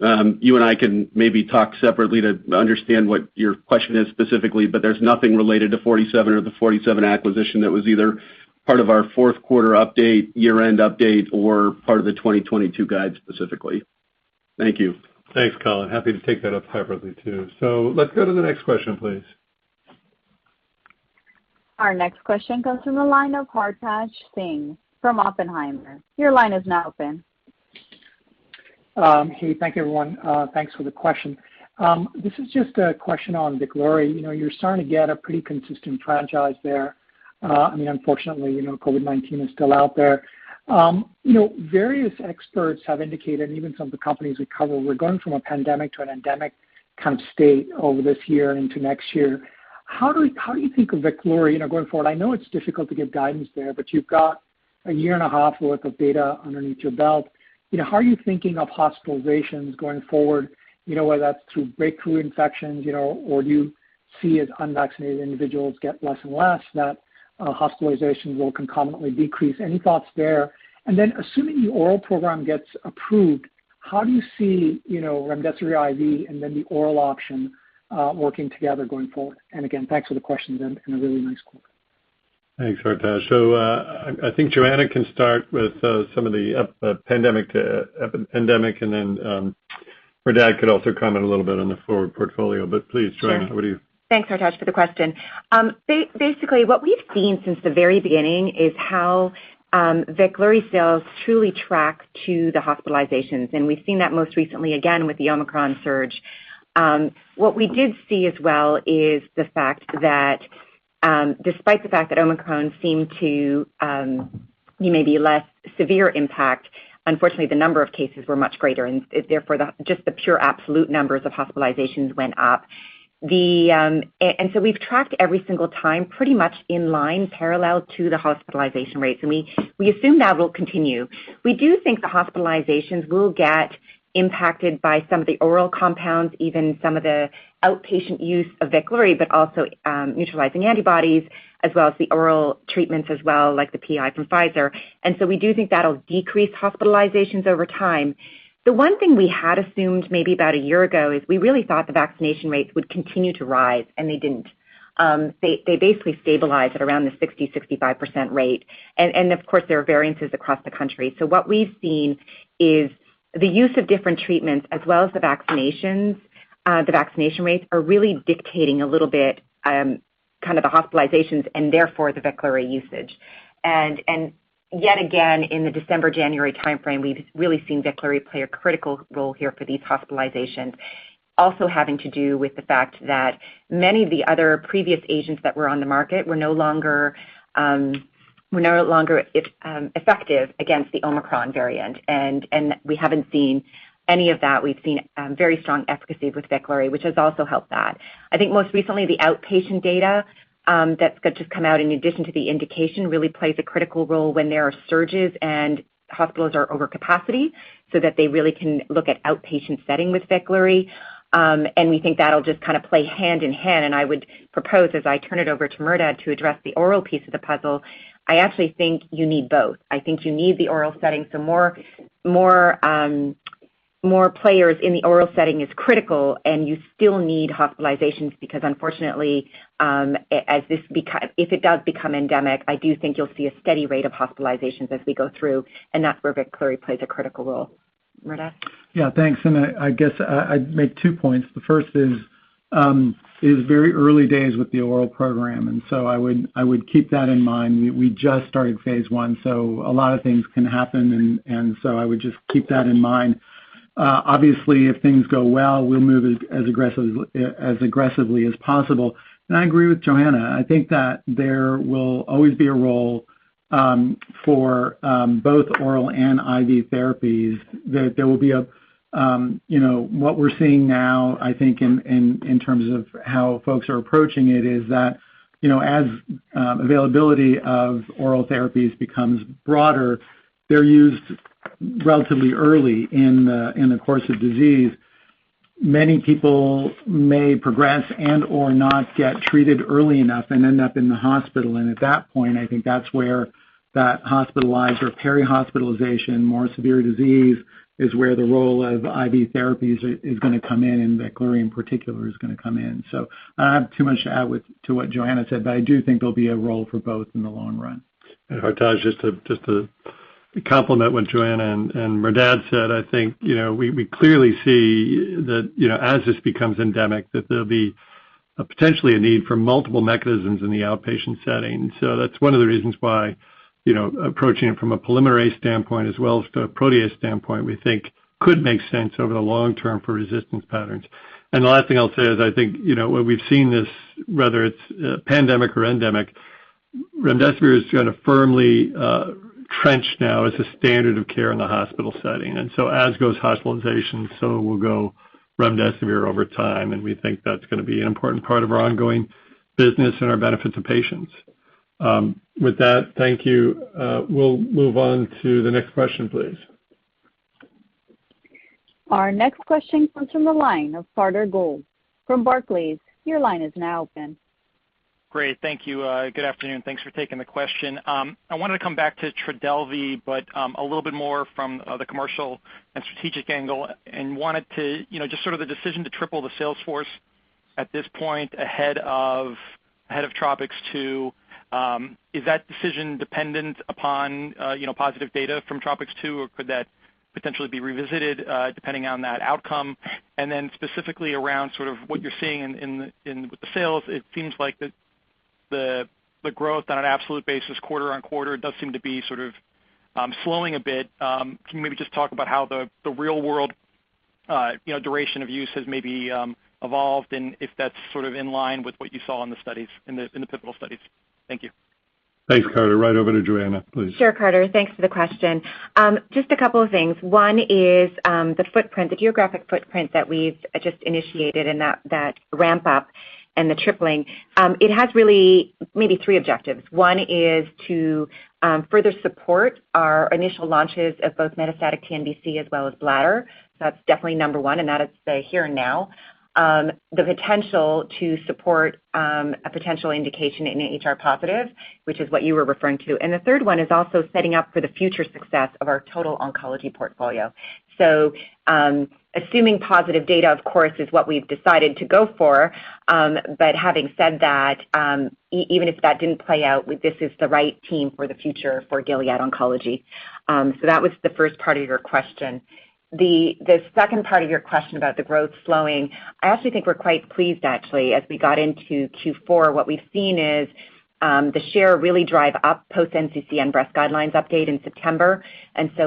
You and I can maybe talk separately to understand what your question is specifically, but there's nothing related to Forty Seven or the Forty Seven acquisition that was either part of our fourth quarter update, year-end update, or part of the 2022 guide specifically. Thank you. Thanks, Colin. Happy to take that up separately too. Let's go to the next question, please. Our next question comes from the line of Hartaj Singh from Oppenheimer. Your line is now open. Hey, thank you, everyone. Thanks for the question. This is just a question on Veklury. You know, you're starting to get a pretty consistent franchise there. I mean, unfortunately, you know, COVID-19 is still out there. You know, various experts have indicated, even some of the companies we cover, we're going from a pandemic to an endemic kind of state over this year into next year. How do you think of Veklury, you know, going forward? I know it's difficult to give guidance there, but you've got a year and a half worth of data underneath your belt. You know, how are you thinking of hospitalizations going forward? You know, whether that's through breakthrough infections, you know, or do you see as unvaccinated individuals get less and less that, hospitalizations will concomitantly decrease? Any thoughts there? Assuming the oral program gets approved, how do you see, you know, remdesivir IV and then the oral option working together going forward? Again, thanks for the question and a really nice quarter. Thanks, Hartaj. I think Johanna can start with some of the pandemic to epidemic, and then Merdad could also comment a little bit on the forward portfolio. Please, Johanna, what do you- Sure. Thanks, Hartaj, for the question. Basically, what we've seen since the very beginning is how Veklury sales truly track to the hospitalizations, and we've seen that most recently again with the Omicron surge. What we did see as well is the fact that, despite the fact that Omicron seemed to be maybe less severe impact, unfortunately, the number of cases were much greater and therefore just the pure absolute numbers of hospitalizations went up. And so we've tracked every single time pretty much in line parallel to the hospitalization rates, and we assume that will continue. We do think the hospitalizations will get impacted by some of the oral compounds, even some of the outpatient use of Veklury, but also neutralizing antibodies as well as the oral treatments as well, like the PI from Pfizer. We do think that'll decrease hospitalizations over time. The one thing we had assumed maybe about a year ago is we really thought the vaccination rates would continue to rise, and they didn't. They basically stabilized at around the 60%-65% rate. Of course, there are variances across the country. What we've seen is the use of different treatments as well as the vaccinations, the vaccination rates are really dictating a little bit kind of the hospitalizations and therefore the Veklury usage. Yet again, in the December, January timeframe, we've really seen Veklury play a critical role here for these hospitalizations, also having to do with the fact that many of the other previous agents that were on the market were no longer effective against the Omicron variant. We haven't seen any of that. We've seen very strong efficacy with Veklury, which has also helped that. I think most recently the outpatient data that's got to come out in addition to the indication really plays a critical role when there are surges and hospitals are over capacity so that they really can look at outpatient setting with Veklury. We think that'll just kind of play hand in hand. I would propose as I turn it over to Merdad to address the oral piece of the puzzle, I actually think you need both. I think you need the oral setting, so more players in the oral setting is critical, and you still need hospitalizations because unfortunately, if it does become endemic, I do think you'll see a steady rate of hospitalizations as we go through, and that's where Veklury plays a critical role. Merdad? Yeah. Thanks. I guess I'd make two points. The first is very early days with the oral program, and so I would keep that in mind. We just started phase I, so a lot of things can happen and so I would just keep that in mind. Obviously, if things go well, we'll move as aggressively as possible. I agree with Johanna. I think that there will always be a role for both oral and IV therapies. There will be a, you know, what we're seeing now, I think in terms of how folks are approaching it is that, you know, as availability of oral therapies becomes broader, they're used relatively early in the course of disease. Many people may progress and/or not get treated early enough and end up in the hospital. At that point, I think that's where that hospitalized or peri-hospitalization, more severe disease is where the role of IV therapies is gonna come in, and Veklury in particular is gonna come in. I don't have too much to add to what Johanna said, but I do think there'll be a role for both in the long run. Hartaj, just to complement what Joannah and Merdad said, I think, you know, we clearly see that, you know, as this becomes endemic, that there'll be a potentially a need for multiple mechanisms in the outpatient setting. That's one of the reasons why, you know, approaching it from a polymerase standpoint as well as the protease standpoint, we think could make sense over the long term for resistance patterns. The last thing I'll say is I think, you know, what we've seen is whether it's pandemic or endemic. remdesivir is kind of firmly trenched now as a standard of care in the hospital setting. As goes hospitalization, so will go remdesivir over time. We think that's gonna be an important part of our ongoing business and our benefit to patients. With that, thank you. We'll move on to the next question, please. Our next question comes from the line of Carter Gould from Barclays. Your line is now open. Great. Thank you. Good afternoon. Thanks for taking the question. I wanted to come back to Trodelvy, but a little bit more from the commercial and strategic angle, and wanted to, you know, just sort of the decision to triple the sales force at this point ahead of TROPiCS-02, is that decision dependent upon, you know, positive data from TROPiCS-02, or could that potentially be revisited depending on that outcome? And then specifically around sort of what you're seeing in with the sales, it seems like the growth on an absolute basis quarter-over-quarter does seem to be sort of slowing a bit. Can you maybe just talk about how the real world, you know, duration of use has maybe evolved and if that's sort of in line with what you saw in the studies, in the pivotal studies? Thank you. Thanks, Carter. Right over to Johanna, please. Sure, Carter, thanks for the question. Just a couple of things. One is the footprint, the geographic footprint that we've just initiated and that ramp up and the tripling. It has really maybe three objectives. One is to further support our initial launches of both metastatic TNBC as well as bladder. That's definitely number one, and that is the here and now. The potential to support a potential indication in HR positive, which is what you were referring to. The third one is also setting up for the future success of our total oncology portfolio. Assuming positive data, of course, is what we've decided to go for. Having said that, even if that didn't play out, this is the right team for the future for Gilead Oncology. That was the first part of your question. The second part of your question about the growth slowing, I actually think we're quite pleased actually, as we got into Q4, what we've seen is, the share really drive up post NCCN breast guidelines update in September.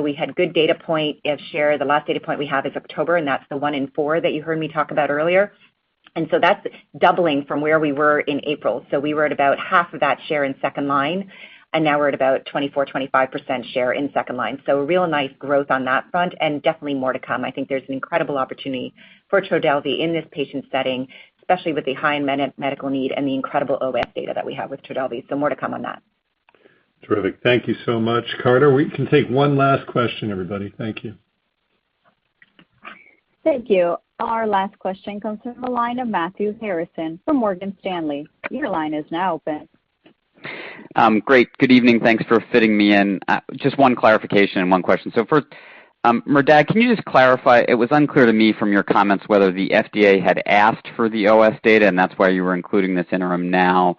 We had good data point of share. The last data point we have is October, and that's the one in four that you heard me talk about earlier. That's doubling from where we were in April. We were at about half of that share in second line, and now we're at about 24, 25% share in second line. A real nice growth on that front and definitely more to come. I think there's an incredible opportunity for Trodelvy in this patient setting, especially with the high medical need and the incredible OS data that we have with Trodelvy. More to come on that. Terrific. Thank you so much, Carter. We can take one last question, everybody. Thank you. Thank you. Our last question comes from the line of Matthew Harrison from Morgan Stanley. Your line is now open. Great. Good evening. Thanks for fitting me in. Just one clarification and one question. First, Merdad, can you just clarify? It was unclear to me from your comments whether the FDA had asked for the OS data, and that's why you were including this interim now,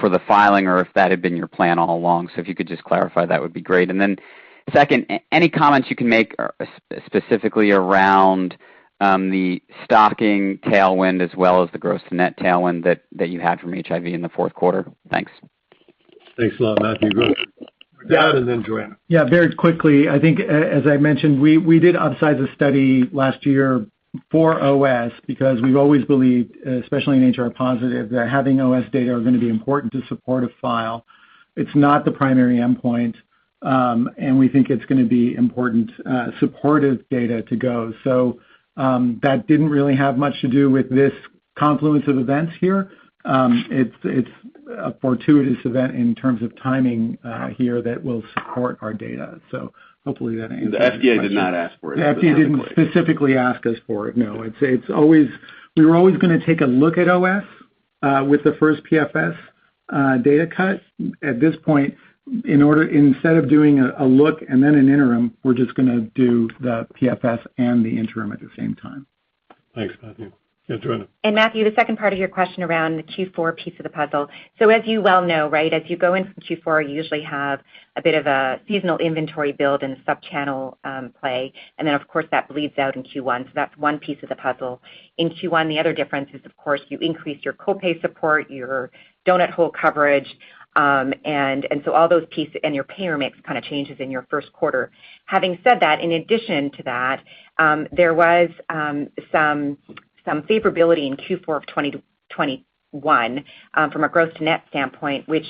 for the filing, or if that had been your plan all along. If you could just clarify, that would be great. Then second, any comments you can make specifically around the stocking tailwind as well as the gross net tailwind that you had from HIV in the fourth quarter? Thanks. Thanks a lot, Matthew. Good. Merdad and then Johanna. Yeah, very quickly. I think as I mentioned, we did upsize the study last year for OS because we've always believed, especially in HR positive, that having OS data are gonna be important to support a file. It's not the primary endpoint, and we think it's gonna be important, supportive data to go. That didn't really have much to do with this confluence of events here. It's a fortuitous event in terms of timing here that will support our data. Hopefully that answers- The FDA did not ask for it. The FDA didn't specifically ask us for it, no. I'd say it's always. We were always gonna take a look at OS with the first PFS data cut. At this point, in order, instead of doing a look and then an interim, we're just gonna do the PFS and the interim at the same time. Thanks, Matthew. Yeah, Johanna. Matthew, the second part of your question around the Q4 piece of the puzzle. As you well know, right, as you go into Q4, you usually have a bit of a seasonal inventory build and sub-channel play. Then, of course, that bleeds out in Q1. That's one piece of the puzzle. In Q1, the other difference is, of course, you increase your co-pay support, your donut hole coverage, and so all those pieces, and your payer mix kinda changes in your first quarter. Having said that, in addition to that, there was some favorability in Q4 of 2021 from a growth to net standpoint, which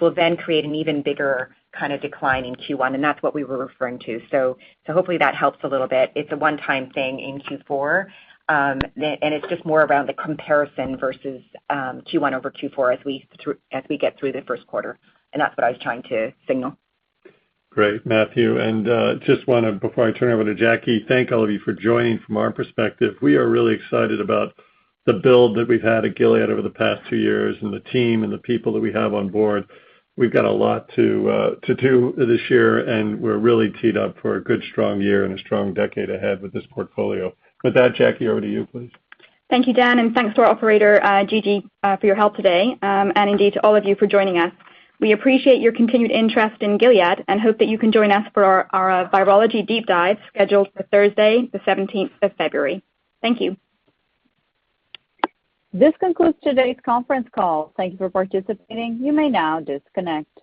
will then create an even bigger kinda decline in Q1, and that's what we were referring to. Hopefully that helps a little bit. It's a one-time thing in Q4, and it's just more around the comparison versus Q1 over Q4 as we get through the first quarter, and that's what I was trying to signal. Great, Matthew. Just wanna, before I turn it over to Jacquie, thank all of you for joining. From our perspective, we are really excited about the build that we've had at Gilead over the past two years and the team and the people that we have on board. We've got a lot to do this year, and we're really teed up for a good, strong year and a strong decade ahead with this portfolio. With that, Jacquie, over to you, please. Thank you, Dan, and thanks to our operator, Gigi, for your help today, and indeed to all of you for joining us. We appreciate your continued interest in Gilead and hope that you can join us for our Virology Deep Dive scheduled for Thursday, the seventeenth of February. Thank you. This concludes today's conference call. Thank you for participating. You may now disconnect.